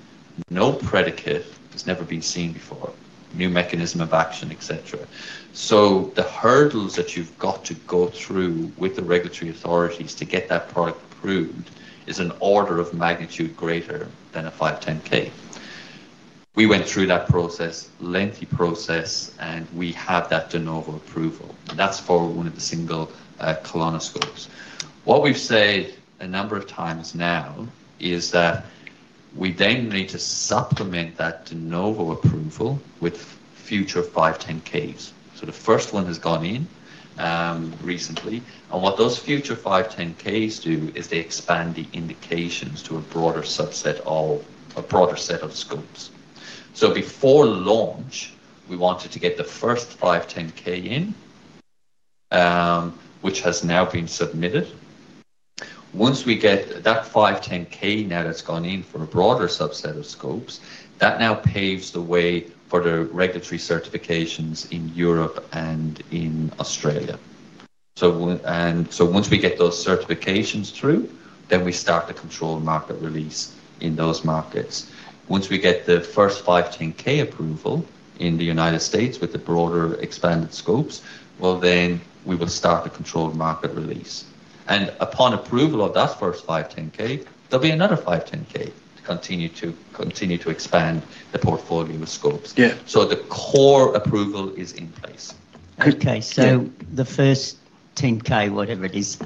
no predicate, it's never been seen before, new mechanism of action, etc. So the hurdles that you've got to go through with the regulatory authorities to get that product approved is an order of magnitude greater than a 510(k). We went through that process, lengthy process, and we have that de novo approval. That's for one of the single colonoscopes. What we've said a number of times now is that we then need to supplement that de novo approval with future 510(k)s. So the first one has gone in recently. And what those future 510(k)s do is they expand the indications to a broader subset of a broader set of scopes. So before launch, we wanted to get the first 510(k) in, which has now been submitted. Once we get that 510(k) now that's gone in for a broader subset of scopes, that now paves the way for the regulatory certifications in Europe and in Australia. So once we get those certifications through, then we start the controlled market release in those markets. Once we get the first 510(k) approval in the United States with the broader expanded scopes, then we will start the controlled market release. And upon approval of that first 510(k), there'll be another 510(k) to continue to expand the portfolio of scopes. So the core approval is in place. Okay. So the first 510(k), whatever it is.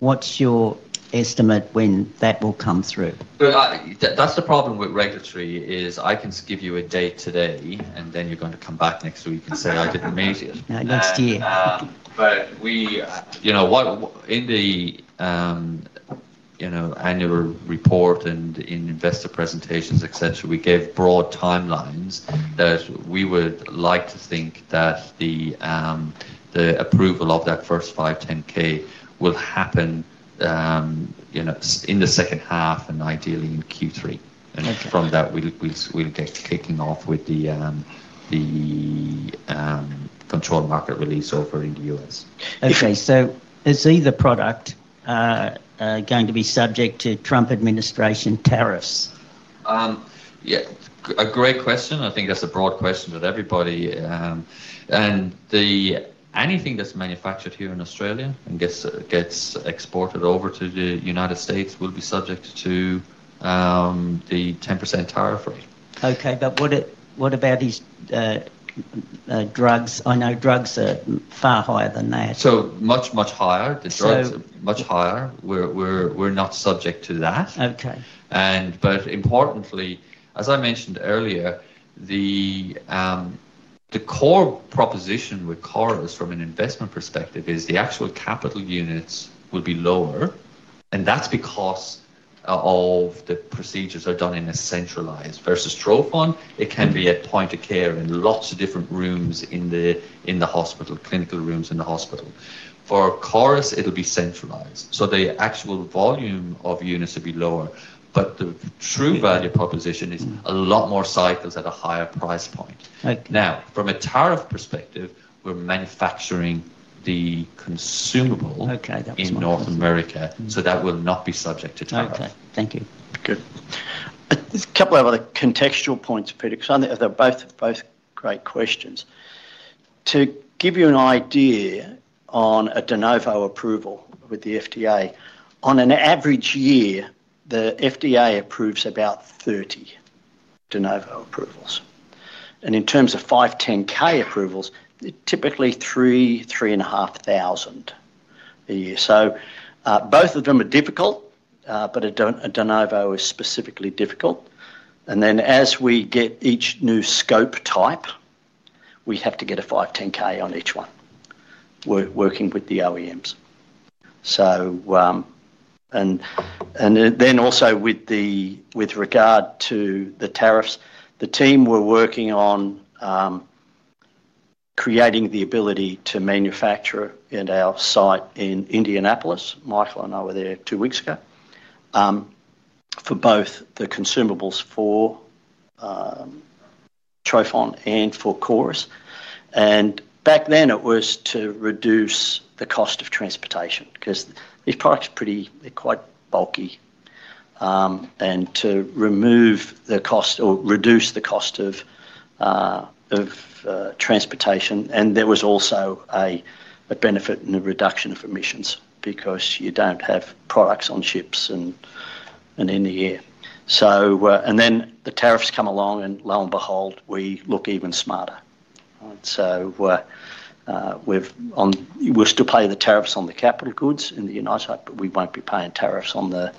What's your estimate when that will come through? That's the problem with regulatory is I can give you a date today, and then you're going to come back next week and say, "I didn't meet it." Next year. But in the annual report and in investor presentations, etc., we gave broad timelines that we would like to think that the approval of that first 510(k) will happen in the second half and ideally in Q3. And from that, we'll get kicking off with the controlled market release over in the U.S. Okay. So is either product going to be subject to Trump administration tariffs? Yeah. A great question. I think that's a broad question to everybody. And anything that's manufactured here in Australia and gets exported over to the United States will be subject to the 10% tariff rate. Okay. But what about these drugs? I know drugs are far higher than that. So much, much higher. The drugs are much higher. We're not subject to that. But importantly, as I mentioned earlier, the core proposition with CORIS from an investment perspective is the actual capital units will be lower. And that's because all of the procedures are done in a centralized versus trophon. It can be at point of care in lots of different rooms in the hospital, clinical rooms in the hospital. For CORIS, it'll be centralized. So the actual volume of units will be lower. But the true value proposition is a lot more cycles at a higher price point. Now, from a tariff perspective, we're manufacturing the consumable in North America. So that will not be subject to tariffs. Okay. Thank you. Good. A couple of other contextual points, Peter, because they're both great questions. To give you an idea on a de novo approval with the FDA, on an average year, the FDA approves about 30 de novo approvals. And in terms of 510(k) approvals, typically 3,000, 3,500 a year. So both of them are difficult, but a de novo is specifically difficult. And then as we get each new scope type, we have to get a 510(k) on each one, working with the OEMs. And then also with regard to the tariffs, the team we're working on creating the ability to manufacture at our site in Indianapolis. Michael and I were there two weeks ago for both the consumables for trophon and for CORIS. And back then, it was to reduce the cost of transportation because these products are quite bulky. And to remove the cost or reduce the cost of transportation. And there was also a benefit in the reduction of emissions because you don't have products on ships and in the air. And then the tariffs come along, and lo and behold, we look even smarter. We'll still pay the tariffs on the capital goods in the United States, but we won't be paying tariffs on the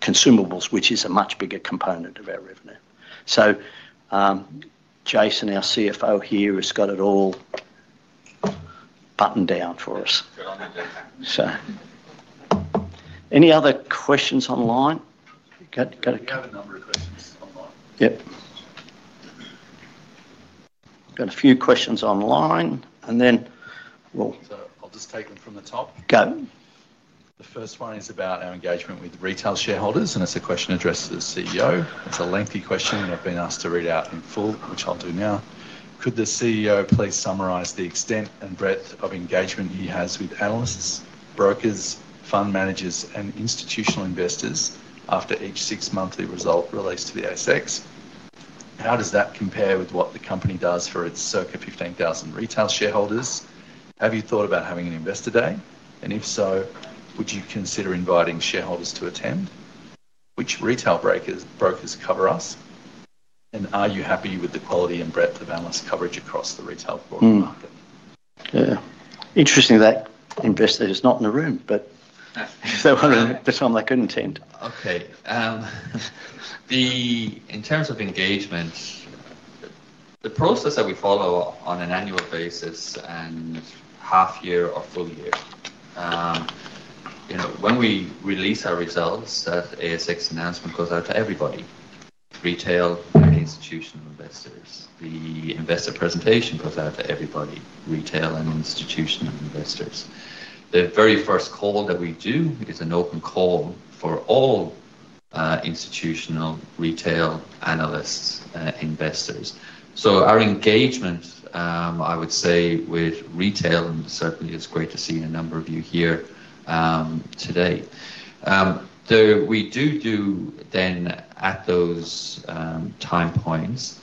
consumables, which is a much bigger component of our revenue. So, Jason, our CFO here, has got it all buttoned down for us. Any other questions online? We have a number of questions online. Yep. Got a few questions online. And then I'll just take them from the top. The first one is about our engagement with retail shareholders, and it's a question addressed to the CEO. It's a lengthy question that I've been asked to read out in full, which I'll do now. Could the CEO please summarize the extent and breadth of engagement he has with analysts, brokers, fund managers, and institutional investors after each six-monthly result released to the ASX? How does that compare with what the company does for its circa 15,000 retail shareholders? Have you thought about having an Investor Day? And if so, would you consider inviting shareholders to attend? Which retail brokers cover us? And are you happy with the quality and breadth of analyst coverage across the retail broker market? Yeah. Interesting that investor is not in the room, but they wanted to tell them they couldn't attend. Okay. In terms of engagement, the process that we follow on an annual basis and half-year or full year. When we release our results, that ASX announcement goes out to everybody, retail and institutional investors. The investor presentation goes out to everybody, retail and institutional investors. The very first call that we do is an open call for all institutional, retail analysts, investors. So our engagement, I would say, with retail, and certainly, it's great to see a number of you here today. We do do, then, at those time points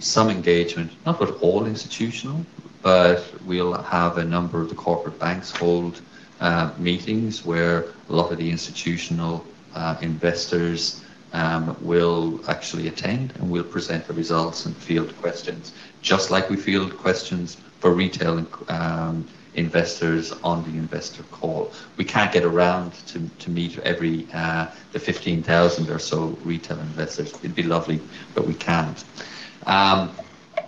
some engagement, not with all institutional, but we'll have a number of the corporate banks hold meetings where a lot of the institutional investors will actually attend and will present the results and field questions, just like we field questions for retail investors on the investor call. We can't get around to meet every 15,000 or so retail investors. It'd be lovely, but we can't.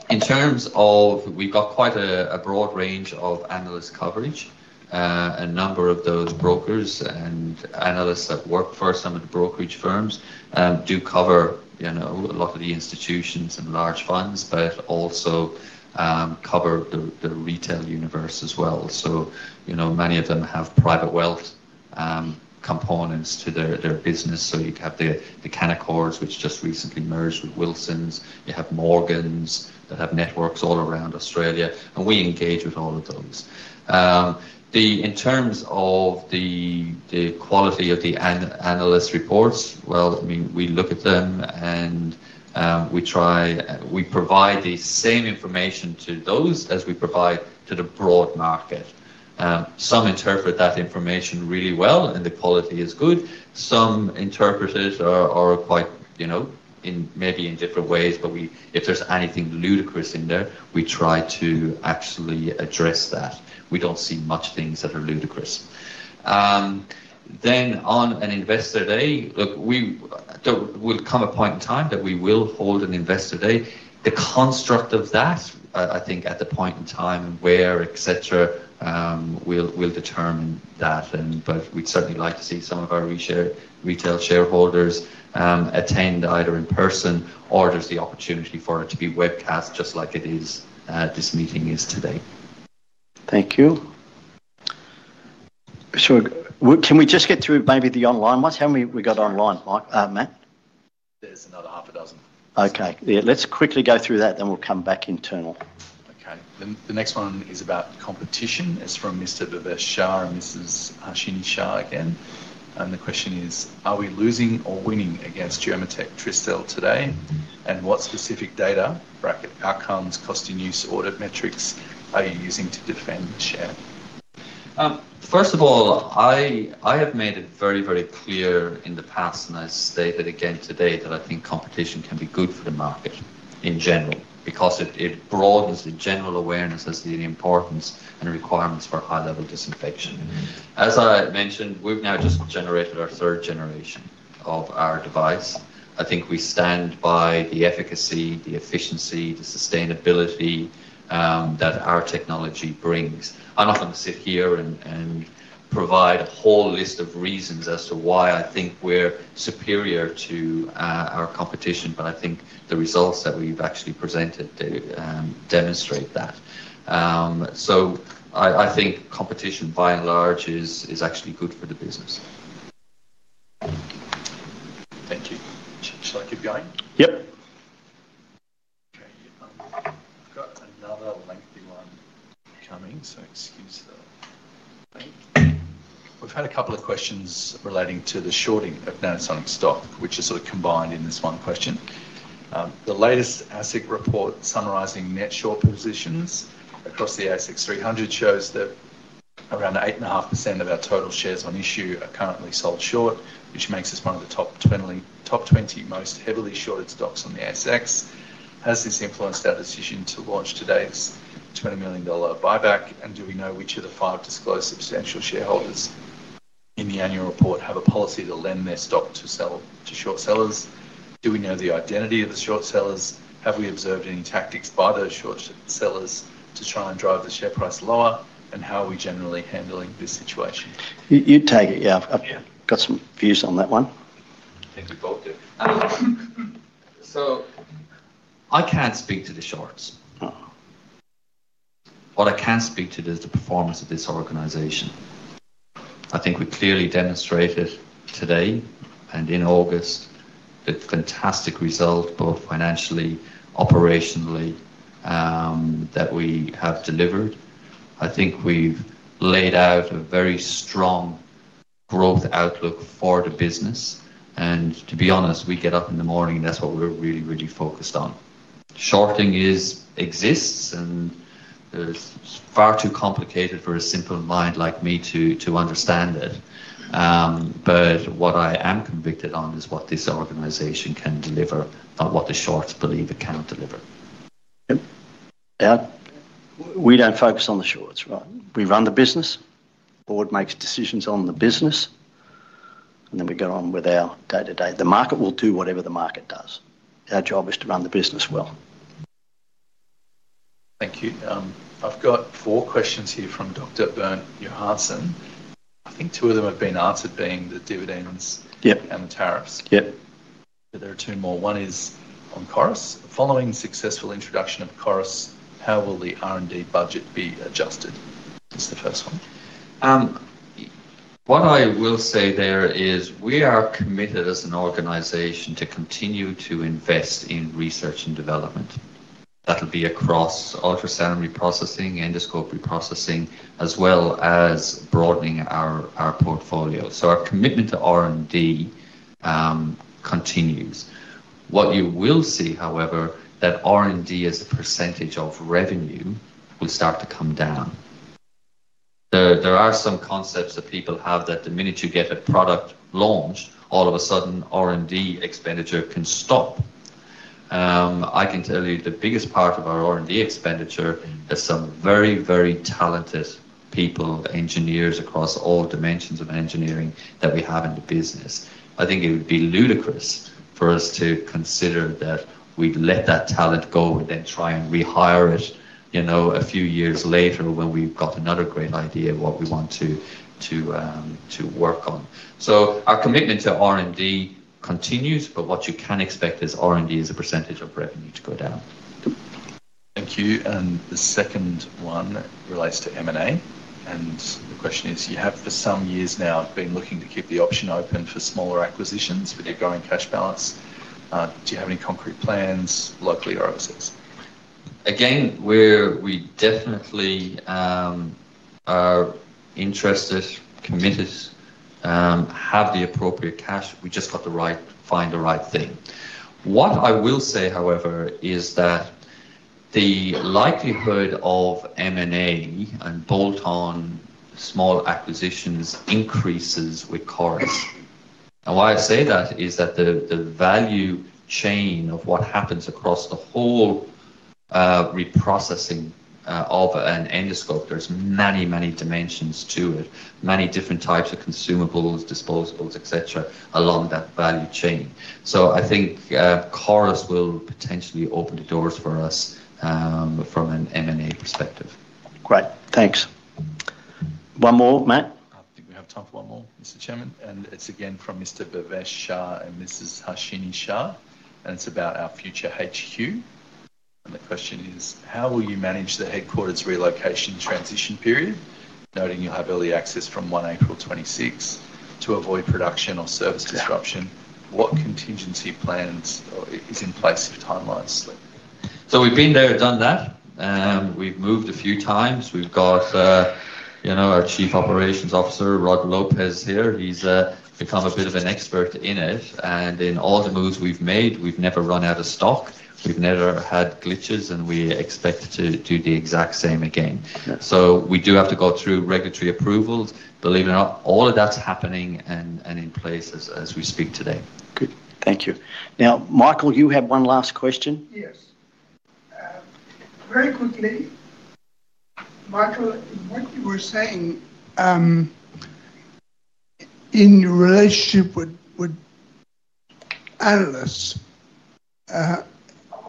In terms of, we've got quite a broad range of analyst coverage. A number of those brokers and analysts that work for some of the brokerage firms do cover a lot of the institutions and large funds, but also cover the retail universe as well. So many of them have private wealth components to their business. So you'd have the Canaccords, which just recently merged with Wilson's. You have Morgan's that have networks all around Australia. And we engage with all of those. In terms of the quality of the analyst reports, well, I mean, we look at them and we provide the same information to those as we provide to the broad market. Some interpret that information really well, and the quality is good. Some interpret it or quite. Maybe in different ways, but if there's anything ludicrous in there, we try to actually address that. We don't see much things that are ludicrous. Then on an Investor Day, look, will come a point in time that we will hold an Investor Day. The construct of that, I think, at the point in time where, etc., will determine that. But we'd certainly like to see some of our retail shareholders attend either in person or there's the opportunity for it to be webcast, just like this meeting is today. Thank you. So can we just get through maybe the online ones? How many we got online, Matt? There's another half a dozen. Okay. Let's quickly go through that, then we'll come back internal. Okay. The next one is about competition. It's from Mr. Bhavesh Shah and Mrs. Shini Shah again. And the question is, "Are we losing or winning against Germa-Tech, Tristel today? And what specific data (outcomes, cost of use, audit metrics) are you using to defend the share?" First of all, I have made it very, very clear in the past, and I state it again today, that I think competition can be good for the market in general because it broadens the general awareness as to the importance and requirements for high-level disinfection. As I mentioned, we've now just generated our third generation of our device. I think we stand by the efficacy, the efficiency, the sustainability that our technology brings. I'm not going to sit here and provide a whole list of reasons as to why I think we're superior to our competition, but I think the results that we've actually presented demonstrate that. So I think competition, by and large, is actually good for the business. Thank you. Shall I keep going? Yep. Okay. I've got another lengthy one coming, so excuse the wait. We've had a couple of questions relating to the shorting of Nanosonics stock, which is sort of combined in this one question. The latest ASIC Report summarizing net short positions across the ASX 300 shows that around 8.5% of our total shares on issue are currently sold short, which makes us one of the top 20 most heavily shorted stocks on the ASX. Has this influenced our decision to launch today's $20 million buyback? And do we know which of the five disclosed substantial shareholders in the annual report have a policy to lend their stock to short sellers? Do we know the identity of the short sellers? Have we observed any tactics by those short sellers to try and drive the share price lower? And how are we generally handling this situation? You take it. Yeah. I've got some views on that one. Thank you both. So, I can't speak to the shorts. What I can speak to is the performance of this organization. I think we clearly demonstrated today and in August the fantastic result, both financially, operationally, that we have delivered. I think we've laid out a very strong growth outlook for the business. And to be honest, we get up in the morning, and that's what we're really, really focused on. Shorting exists, and it's far too complicated for a simple mind like me to understand it. But what I am convicted on is what this organization can deliver, not what the shorts believe it can deliver. Yeah. We don't focus on the shorts, right? We run the business. Board makes decisions on the business. And then we go on with our day-to-day. The market will do whatever the market does. Our job is to run the business well. Thank you. I've got four questions here from Dr. Bent Johansen. I think two of them have been answered, being the dividends and the tariffs. But there are two more. One is on CORIS. "Following successful introduction of CORIS, how will the R&D budget be adjusted?" This is the first one. What I will say there is we are committed as an organization to continue to invest in research and development. That'll be across ultrasound reprocessing, endoscope reprocessing, as well as broadening our portfolio. So our commitment to R&D continues. What you will see, however, is that R&D as a percentage of revenue will start to come down. There are some concepts that people have that the minute you get a product launched, all of a sudden, R&D expenditure can stop. I can tell you the biggest part of our R&D expenditure is some very, very talented people, engineers across all dimensions of engineering that we have in the business. I think it would be ludicrous for us to consider that we'd let that talent go and then try and rehire it a few years later when we've got another great idea of what we want to work on. So our commitment to R&D continues, but what you can expect is R&D as a percentage of revenue to go down. Thank you. And the second one relates to M&A. And the question is, "You have for some years now been looking to keep the option open for smaller acquisitions with your growing cash balance. Do you have any concrete plans locally or overseas?" Again, we definitely are interested, committed. Have the appropriate cash. We just got to find the right thing. What I will say, however, is that the likelihood of M&A and bolt-on small acquisitions increases with CORIS. And why I say that is that the value chain of what happens across the whole reprocessing of an endoscope, there's many, many dimensions to it, many different types of consumables, disposables, etc., along that value chain. So I think CORIS will potentially open the doors for us from an M&A perspective. Great. Thanks. One more, Matt? I think we have time for one more, Mr. Chairman. And it's again from Mr. Bhavesh Shah and Mrs. Shini Shah. And it's about our future HQ. The question is, "How will you manage the headquarters relocation transition period, noting you'll have early access from 1 April 2026 to avoid production or service disruption? What contingency plans is in place if timelines slip?" So we've been there and done that. We've moved a few times. We've got our Chief Operating Officer, Rod Lopez, here. He's become a bit of an expert in it. And in all the moves we've made, we've never run out of stock. We've never had glitches, and we expect to do the exact same again. So we do have to go through regulatory approvals. Believe it or not, all of that's happening and in place as we speak today. Good. Thank you. Now, Michael, you have one last question. Yes. Very quickly. Michael, what you were saying. In your relationship with analysts.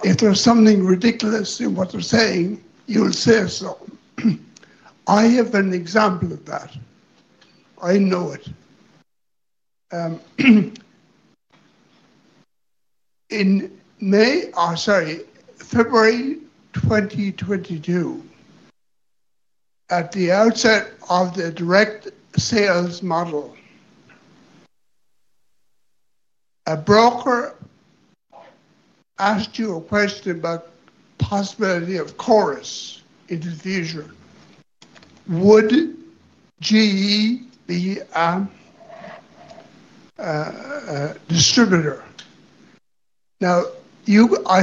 If there's something ridiculous in what they're saying, you'll say so. I have an example of that. I know it. In May—oh, sorry—February 2022. At the outset of the direct sales model, a broker asked you a question about the possibility of CORIS interference. Would GE be a distributor? Now, I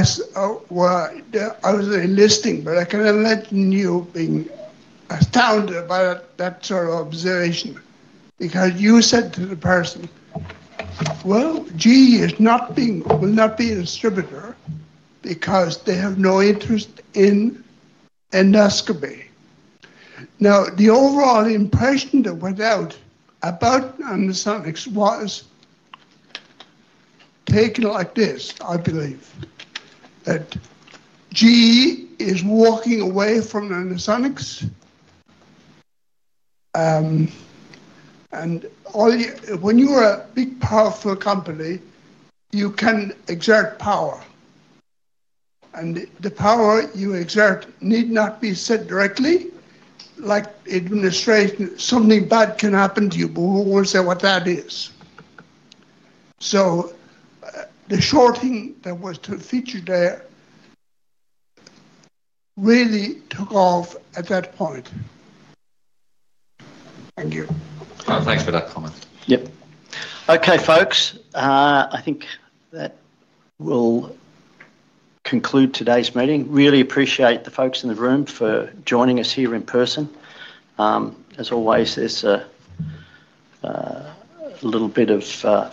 was listening, but I can imagine you being astounded by that sort of observation because you said to the person. "Well, GE will not be a distributor because they have no interest in endoscopy." Now, the overall impression that went out about Nanosonics was. Taken like this, I believe, that GE is walking away from Nanosonics. And when you are a big, powerful company, you can exert power. And the power you exert need not be said directly. Like intimidation, something bad can happen to you. But we won't say what that is. So the shorting that was featured there. Really took off at that point. Thank you. Thanks for that comment. Yep. Okay, folks. I think that will. Conclude today's meeting. Really appreciate the folks in the room for joining us here in person. As always, there's a. Little bit of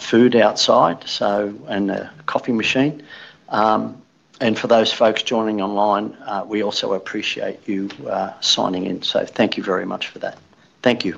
food outside and a coffee machine. And for those folks joining online, we also appreciate you signing in. So thank you very much for that. Thank you.